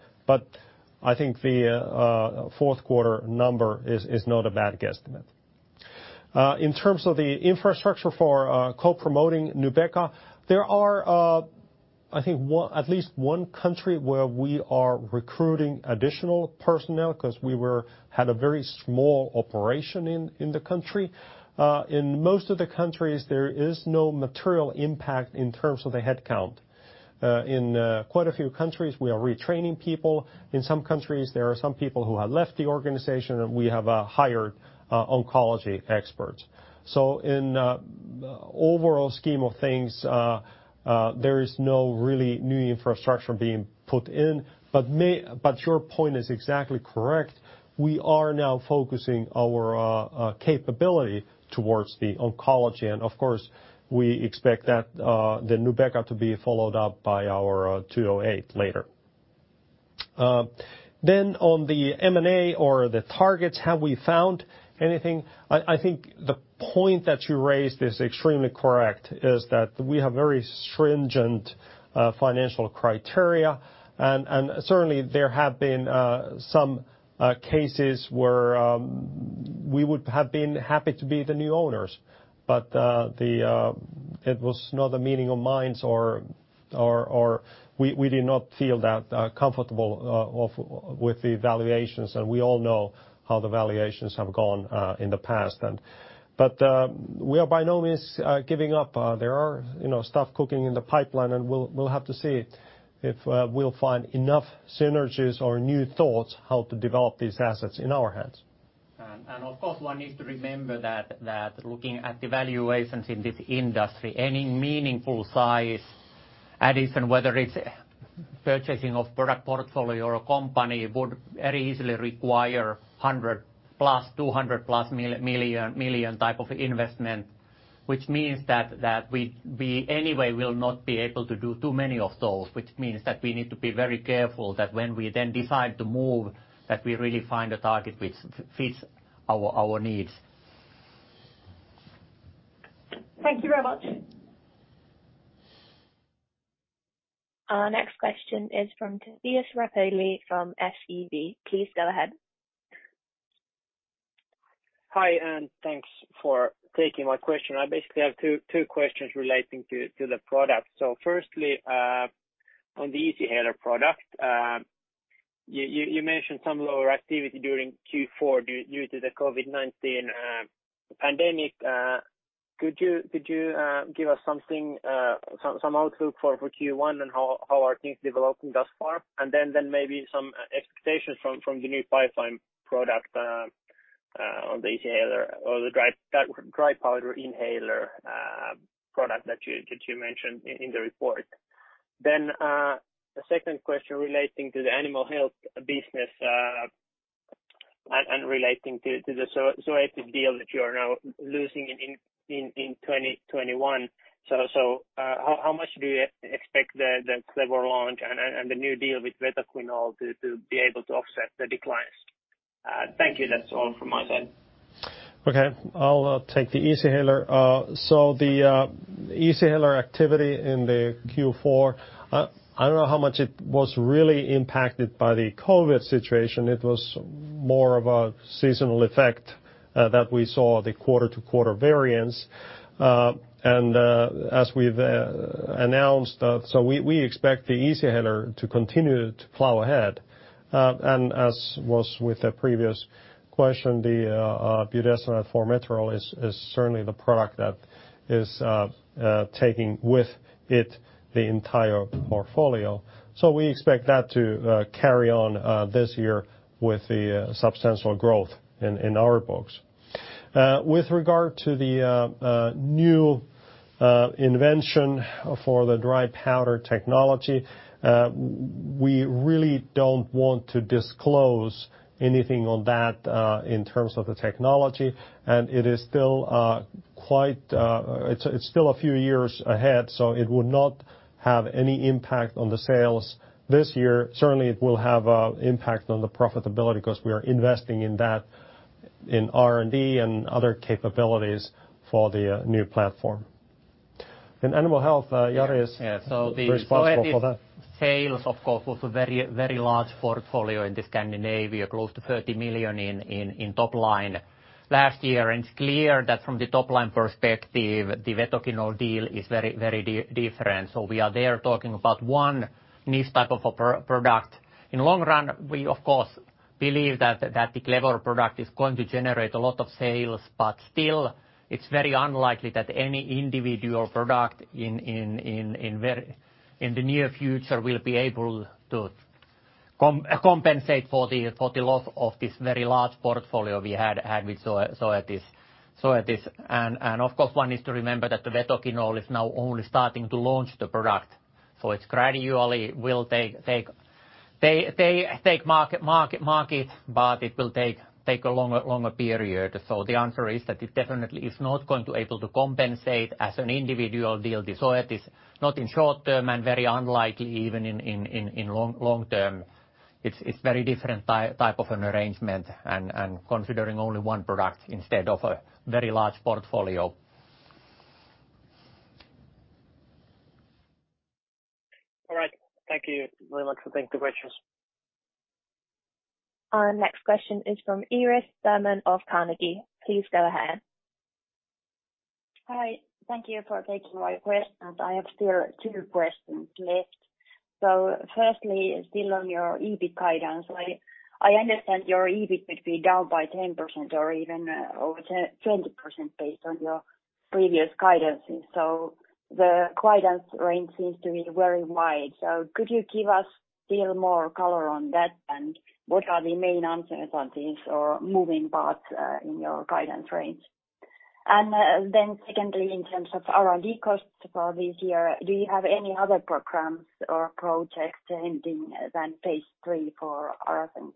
B: I think the fourth quarter number is not a bad guesstimate. In terms of the infrastructure for co-promoting NUBEQA, there are I think at least one country where we are recruiting additional personnel because we had a very small operation in the country. In most of the countries, there is no material impact in terms of the headcount. In quite a few countries, we are retraining people. In some countries, there are some people who have left the organization, and we have hired oncology experts. In overall scheme of things, there is no really new infrastructure being put in, but your point is exactly correct. We are now focusing our capability towards the oncology. Of course, we expect the NUBEQA to be followed up by our 208 later. Then on the M&A or the targets, have we found anything? I think the point that you raised is extremely correct, is that we have very stringent financial criteria. Certainly there have been some cases where we would have been happy to be the new owners, but it was not a meeting of minds or we did not feel that comfortable with the valuations. We all know how the valuations have gone in the past then. We are by no means giving up. There are stuff cooking in the pipeline. We'll have to see if we'll find enough synergies or new thoughts how to develop these assets in our hands.
E: Of course, one needs to remember that looking at the valuations in this industry, any meaningful size addition, whether it's purchasing of product portfolio or company, would very easily require 100+ million, 200+ million type of investment, which means that we anyway will not be able to do too many of those, which means that we need to be very careful that when we then decide to move, that we really find a target which fits our needs.
H: Thank you very much.
C: Our next question is from Julius Rapeli from SEB. Please go ahead.
I: Hi, thanks for taking my question. I basically have two questions relating to the product. Firstly, on the Easyhaler product, you mentioned some lower activity during Q4 due to the COVID-19 pandemic. Could you give us some outlook for Q1 and how are things developing thus far? Maybe some expectations from the new pipeline product on the Easyhaler or the dry powder inhaler product that you mentioned in the report. The second question relating to the animal health business and relating to the Zoetis deal that you are now losing in 2021. How much do you expect the Clevor launch and the new deal with Vetoquinol to be able to offset the declines? Thank you. That's all from my side.
B: Okay. I'll take the Easyhaler. The Easyhaler activity in the Q4, I don't know how much it was really impacted by the COVID situation. It was more of a seasonal effect that we saw the quarter-to-quarter variance. As we've announced, we expect the Easyhaler to continue to plow ahead. As was with the previous question, the budesonide-formoterol is certainly the product that is taking with it the entire portfolio. We expect that to carry on this year with the substantial growth in our books. With regard to the new invention for the dry powder technology, we really don't want to disclose anything on that in terms of the technology, it's still a few years ahead, it would not have any impact on the sales this year. Certainly, it will have impact on the profitability because we are investing in that in R&D and other capabilities for the new platform. In Animal Health, Jari is responsible for that.
E: The Zoetis sales, of course, was a very large portfolio in Scandinavia, close to 30 million in top line last year. It's clear that from the top-line perspective, the Vetoquinol deal is very different. We are there talking about one niche type of a product. In long run, we of course believe that the Clevor product is going to generate a lot of sales, but still it's very unlikely that any individual product in the near future will be able to compensate for the loss of this very large portfolio we had with Zoetis. Of course, one is to remember that the Vetoquinol is now only starting to launch the product. It gradually will take market, but it will take a longer period. The answer is that it definitely is not going to able to compensate as an individual deal. The Zoetis not in short term and very unlikely even in long term. It's very different type of an arrangement and considering only one product instead of a very large portfolio.
I: All right. Thank you very much for taking the questions.
C: Our next question is from Iiris Theman of Carnegie. Please go ahead.
J: Hi. Thank you for taking my questions. I have still two questions left. Firstly, still on your EBIT guidance, I understand your EBIT could be down by 10% or even over 20% based on your previous guidances. The guidance range seems to be very wide. Could you give us still more color on that, and what are the main uncertainties or moving parts in your guidance range? Secondly, in terms of R&D costs for this year, do you have any other programs or projects ending than phase III for ARASENS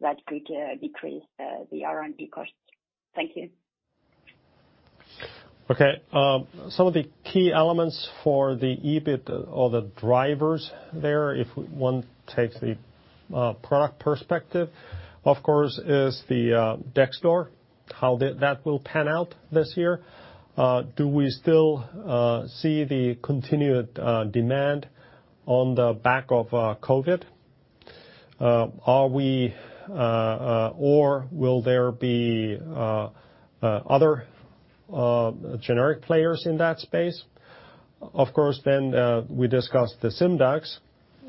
J: that could decrease the R&D costs? Thank you.
B: Some of the key elements for the EBIT or the drivers there, if one takes the product perspective, of course, is the dexdor, how that will pan out this year. Do we still see the continued demand on the back of COVID? Will there be other generic players in that space? We discussed the SIMDAX,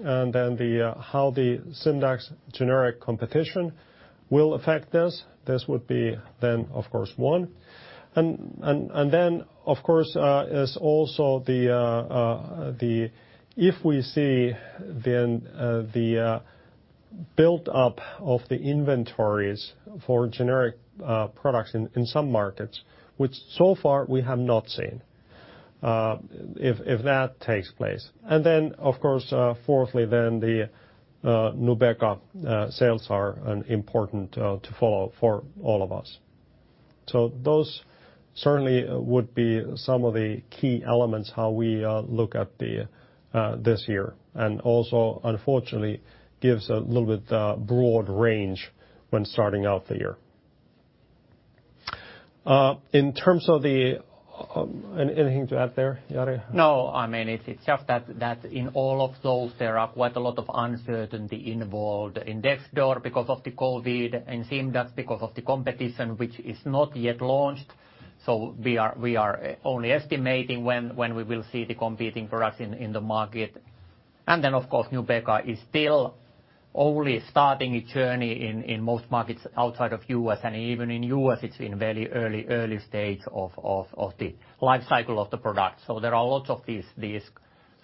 B: how the SIMDAX generic competition will affect this. This would be, of course, one. Of course, is also if we see the buildup of the inventories for generic products in some markets, which so far we have not seen, if that takes place. Of course, fourthly the NUBEQA sales are important to follow for all of us. Those certainly would be some of the key elements how we look at this year. Also, unfortunately, gives a little bit broad range when starting out the year. Anything to add there, Jari?
E: No, it's just that in all of those, there are quite a lot of uncertainty involved in dexdor because of the COVID and SIMDAX because of the competition which is not yet launched. We are only estimating when we will see the competing products in the market. Then, of course, NUBEQA is still only starting a journey in most markets outside of U.S. Even in U.S. it's in very early stage of the life cycle of the product. There are lots of these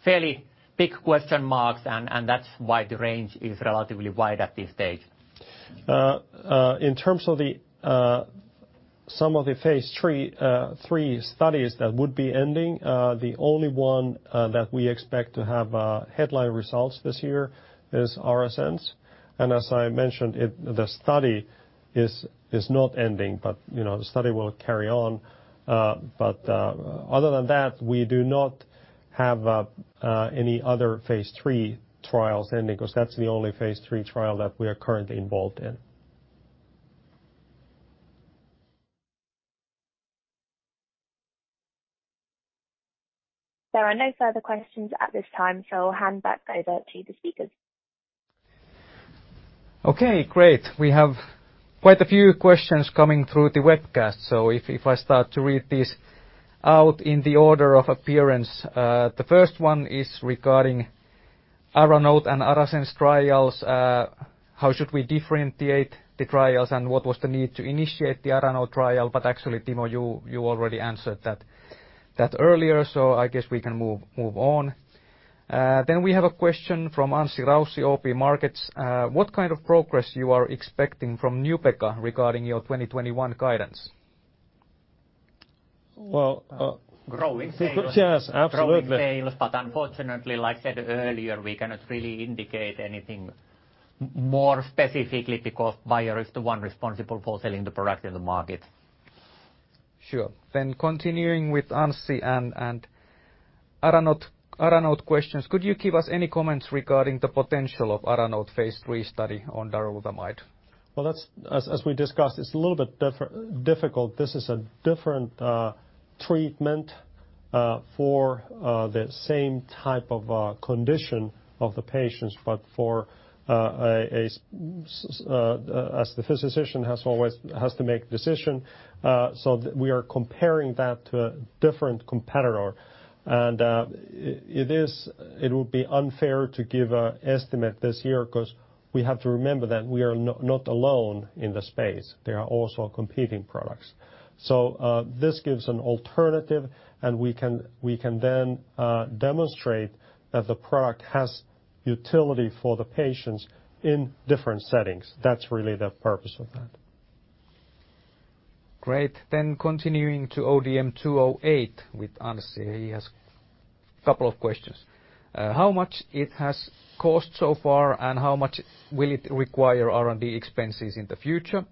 E: fairly big question marks, and that's why the range is relatively wide at this stage.
B: In terms of some of the phase III studies that would be ending, the only one that we expect to have headline results this year is ARASENS. As I mentioned, the study is not ending, but the study will carry on. Other than that, we do not have any other phase III trials ending because that's the only phase III trial that we are currently involved in.
C: There are no further questions at this time, I'll hand back over to the speakers.
A: Okay, great. We have quite a few questions coming through the webcast. If I start to read these out in the order of appearance, the first one is regarding ARANOTE and ARASENS trials, how should we differentiate the trials, and what was the need to initiate the ARANOTE trial? Actually, Timo, you already answered that earlier, so I guess we can move on. We have a question from Anssi Raussi, OP Markets. What kind of progress you are expecting from NUBEQA regarding your 2021 guidance?
B: Well-
E: Growing sales.
B: Yes, absolutely.
E: Growing sales, but unfortunately, like I said earlier, we cannot really indicate anything more specifically because Bayer is the one responsible for selling the product in the market.
A: Sure. Continuing with Anssi and ARANOTE questions. Could you give us any comments regarding the potential of ARANOTE phase III study on darolutamide?
B: Well, as we discussed, it's a little bit difficult. This is a different treatment for the same type of condition of the patients, but for us, the physician has to make decision. We are comparing that to a different competitor. It would be unfair to give an estimate this year because we have to remember that we are not alone in the space. There are also competing products. This gives an alternative, and we can then demonstrate that the product has utility for the patients in different settings. That's really the purpose of that.
A: Great. Continuing to ODM-208 with Anssi. He has couple of questions. How much it has cost so far, how much will it require R&D expenses in the future?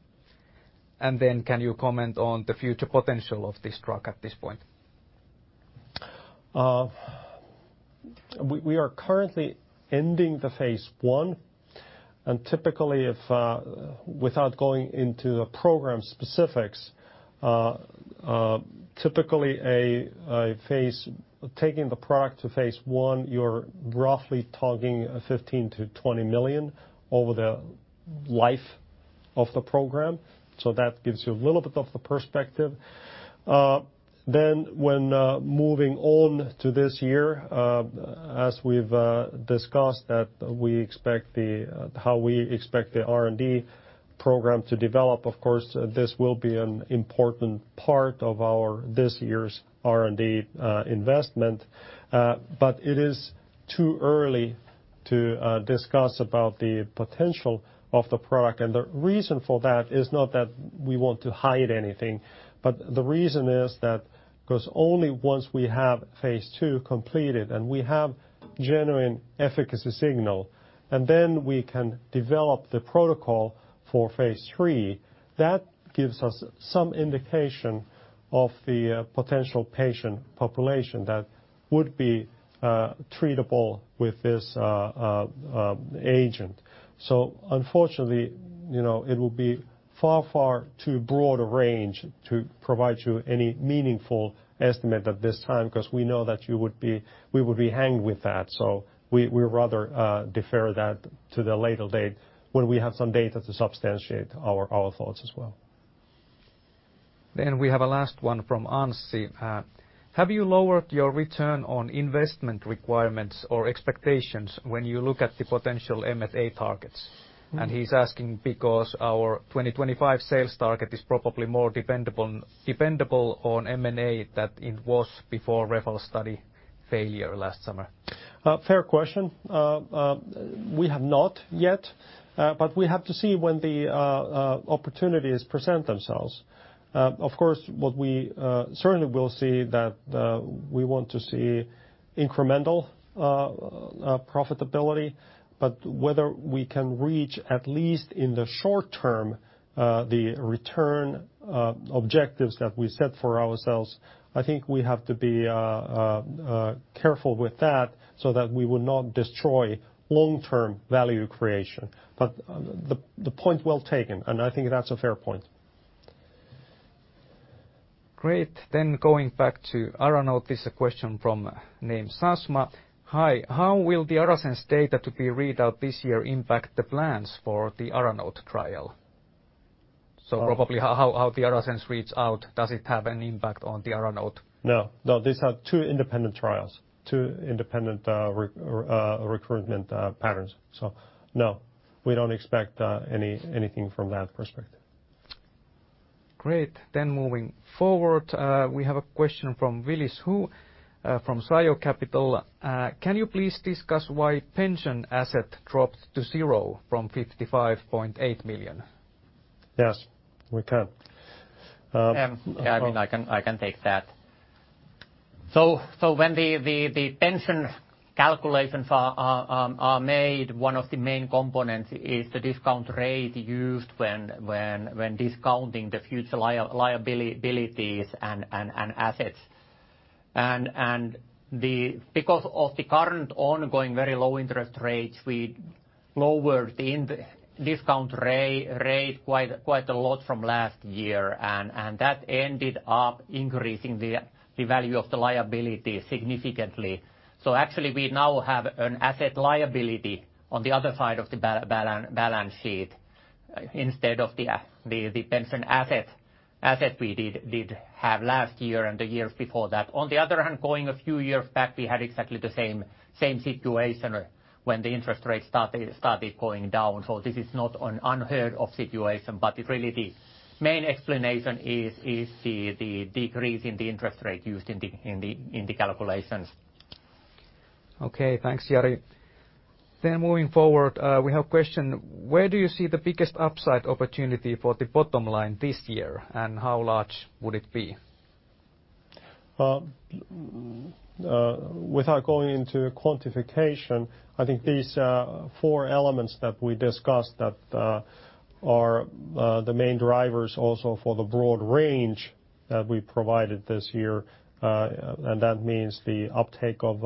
A: Can you comment on the future potential of this drug at this point?
B: We are currently ending the phase I. Typically without going into the program specifics, typically taking the product to phase I, you're roughly talking 15 million-20 million over the life of the program. That gives you a little bit of the perspective. When moving on to this year, as we've discussed how we expect the R&D program to develop, of course, this will be an important part of our this year's R&D investment. It is too early to discuss about the potential of the product, and the reason for that is not that we want to hide anything, but the reason is that because only once we have phase II completed and we have genuine efficacy signal, and then we can develop the protocol for phase III, that gives us some indication of the potential patient population that would be treatable with this agent. Unfortunately, it would be far, far too broad a range to provide you any meaningful estimate at this time, because we know that we would be hanged with that. We rather defer that to the later date when we have some data to substantiate our thoughts as well.
A: We have a last one from Anssi. Have you lowered your return on investment requirements or expectations when you look at the potential M&A targets? He's asking because our 2025 sales target is probably more dependable on M&A than it was before REFALS study failure last summer.
B: Fair question. We have not yet, but we have to see when the opportunities present themselves. Of course, what we certainly will see that we want to see incremental profitability, but whether we can reach, at least in the short term, the return objectives that we set for ourselves, I think we have to be careful with that so that we will not destroy long-term value creation. The point well taken, and I think that's a fair point.
A: Great. Going back to ARANOTE, this a question from name Sasma. "Hi. How will the ARASENS data to be read out this year impact the plans for the ARANOTE trial?" Probably how the ARASENS reads out, does it have any impact on the ARANOTE?
B: No. These are two independent trials, two independent recruitment patterns. No, we don't expect anything from that perspective.
A: Great. Moving forward, we have a question from Willis Hu from Sio Capital. "Can you please discuss why pension asset dropped to zero from 55.8 million?
B: Yes. We can.
E: Yeah, I can take that. When the pension calculations are made, one of the main components is the discount rate used when discounting the future liabilities and assets. Because of the current ongoing very low interest rates, we lowered the discount rate quite a lot from last year, and that ended up increasing the value of the liability significantly. Actually, we now have an asset liability on the other side of the balance sheet instead of the pension asset we did have last year and the years before that. On the other hand, going a few years back, we had exactly the same situation when the interest rate started going down. This is not an unheard of situation, but really, the main explanation is the decrease in the interest rate used in the calculations.
A: Okay. Thanks, Jari. Moving forward, we have a question: where do you see the biggest upside opportunity for the bottom line this year, and how large would it be?
B: Without going into quantification, I think these four elements that we discussed that are the main drivers also for the broad range that we provided this year. That means the uptake of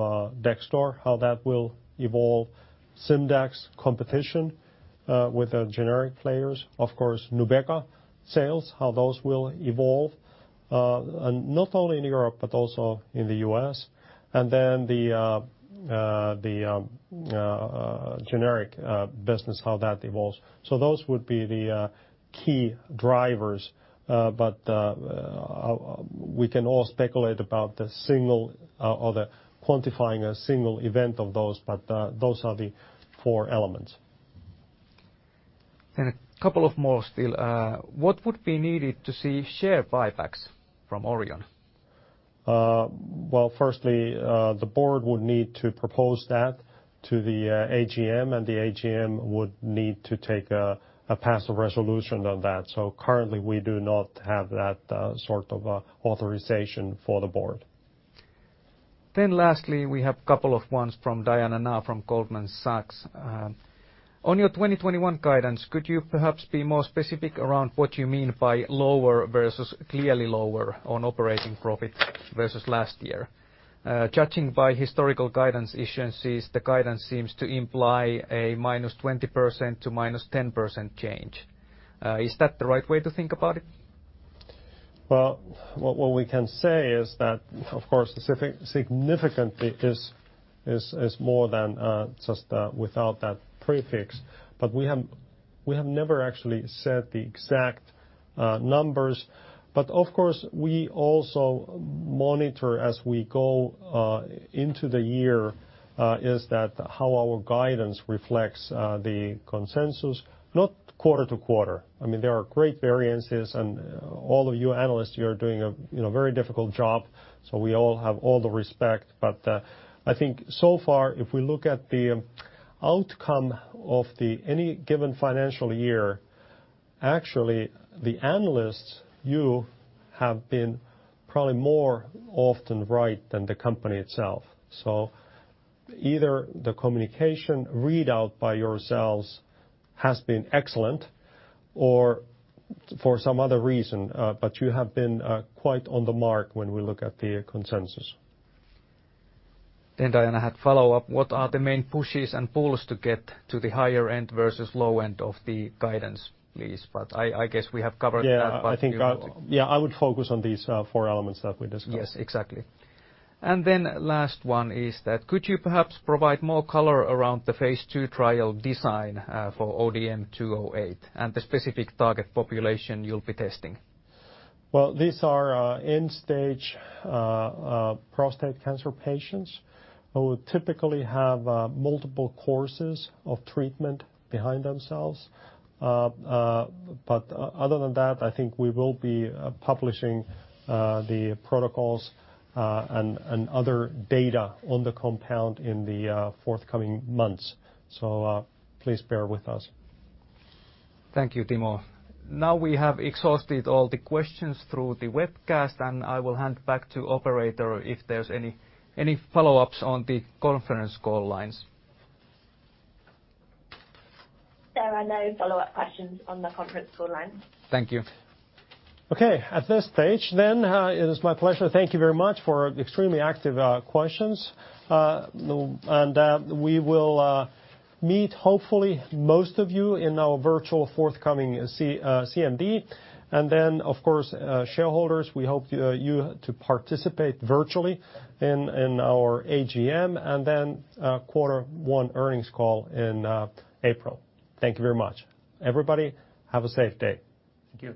B: dexdor, how that will evolve, SIMDAX competition with the generic players, of course, NUBEQA sales, how those will evolve, not only in Europe, but also in the U.S., then the generic business, how that evolves. Those would be the key drivers, we can all speculate about the single or quantifying a single event of those are the four elements.
A: A couple of more still. What would be needed to see share buybacks from Orion?
B: Well, firstly, the board would need to propose that to the AGM, the AGM would need to take a pass a resolution on that. Currently we do not have that sort of authorization for the board.
A: Lastly, we have a couple of ones from Diana Na from Goldman Sachs. On your 2021 guidance, could you perhaps be more specific around what you mean by lower versus clearly lower on operating profit versus last year? Judging by historical guidance issuances, the guidance seems to imply a -20% to -10% change. Is that the right way to think about it?
B: Well, what we can say is that, of course, significantly is more than just without that prefix. We have never actually set the exact numbers. Of course, we also monitor as we go into the year, is that how our guidance reflects the consensus, not quarter-to-quarter. There are great variances and all of you analysts, you are doing a very difficult job, so we all have all the respect. I think so far, if we look at the outcome of any given financial year, actually the analysts, you, have been probably more often right than the company itself. Either the communication readout by yourselves has been excellent, or for some other reason, but you have been quite on the mark when we look at the consensus.
A: Diana had follow-up: what are the main pushes and pulls to get to the higher end versus low end of the guidance, please? I guess we have covered that.
B: Yeah, I think.
A: Well-
B: Yeah. I would focus on these four elements that we discussed.
A: Yes, exactly. Last one is that, could you perhaps provide more color around the phase II trial design for ODM-208 and the specific target population you'll be testing?
B: These are end-stage prostate cancer patients who would typically have multiple courses of treatment behind themselves. Other than that, I think we will be publishing the protocols and other data on the compound in the forthcoming months. Please bear with us.
A: Thank you, Timo. We have exhausted all the questions through the webcast, and I will hand back to operator if there's any follow-ups on the conference call lines.
C: There are no follow-up questions on the conference call lines.
A: Thank you.
B: Okay. At this stage, it is my pleasure. Thank you very much for extremely active questions. We will meet hopefully most of you in our virtual forthcoming CMD. Of course, shareholders, we hope you to participate virtually in our AGM, and then quarter one earnings call in April. Thank you very much. Everybody, have a safe day.
A: Thank you.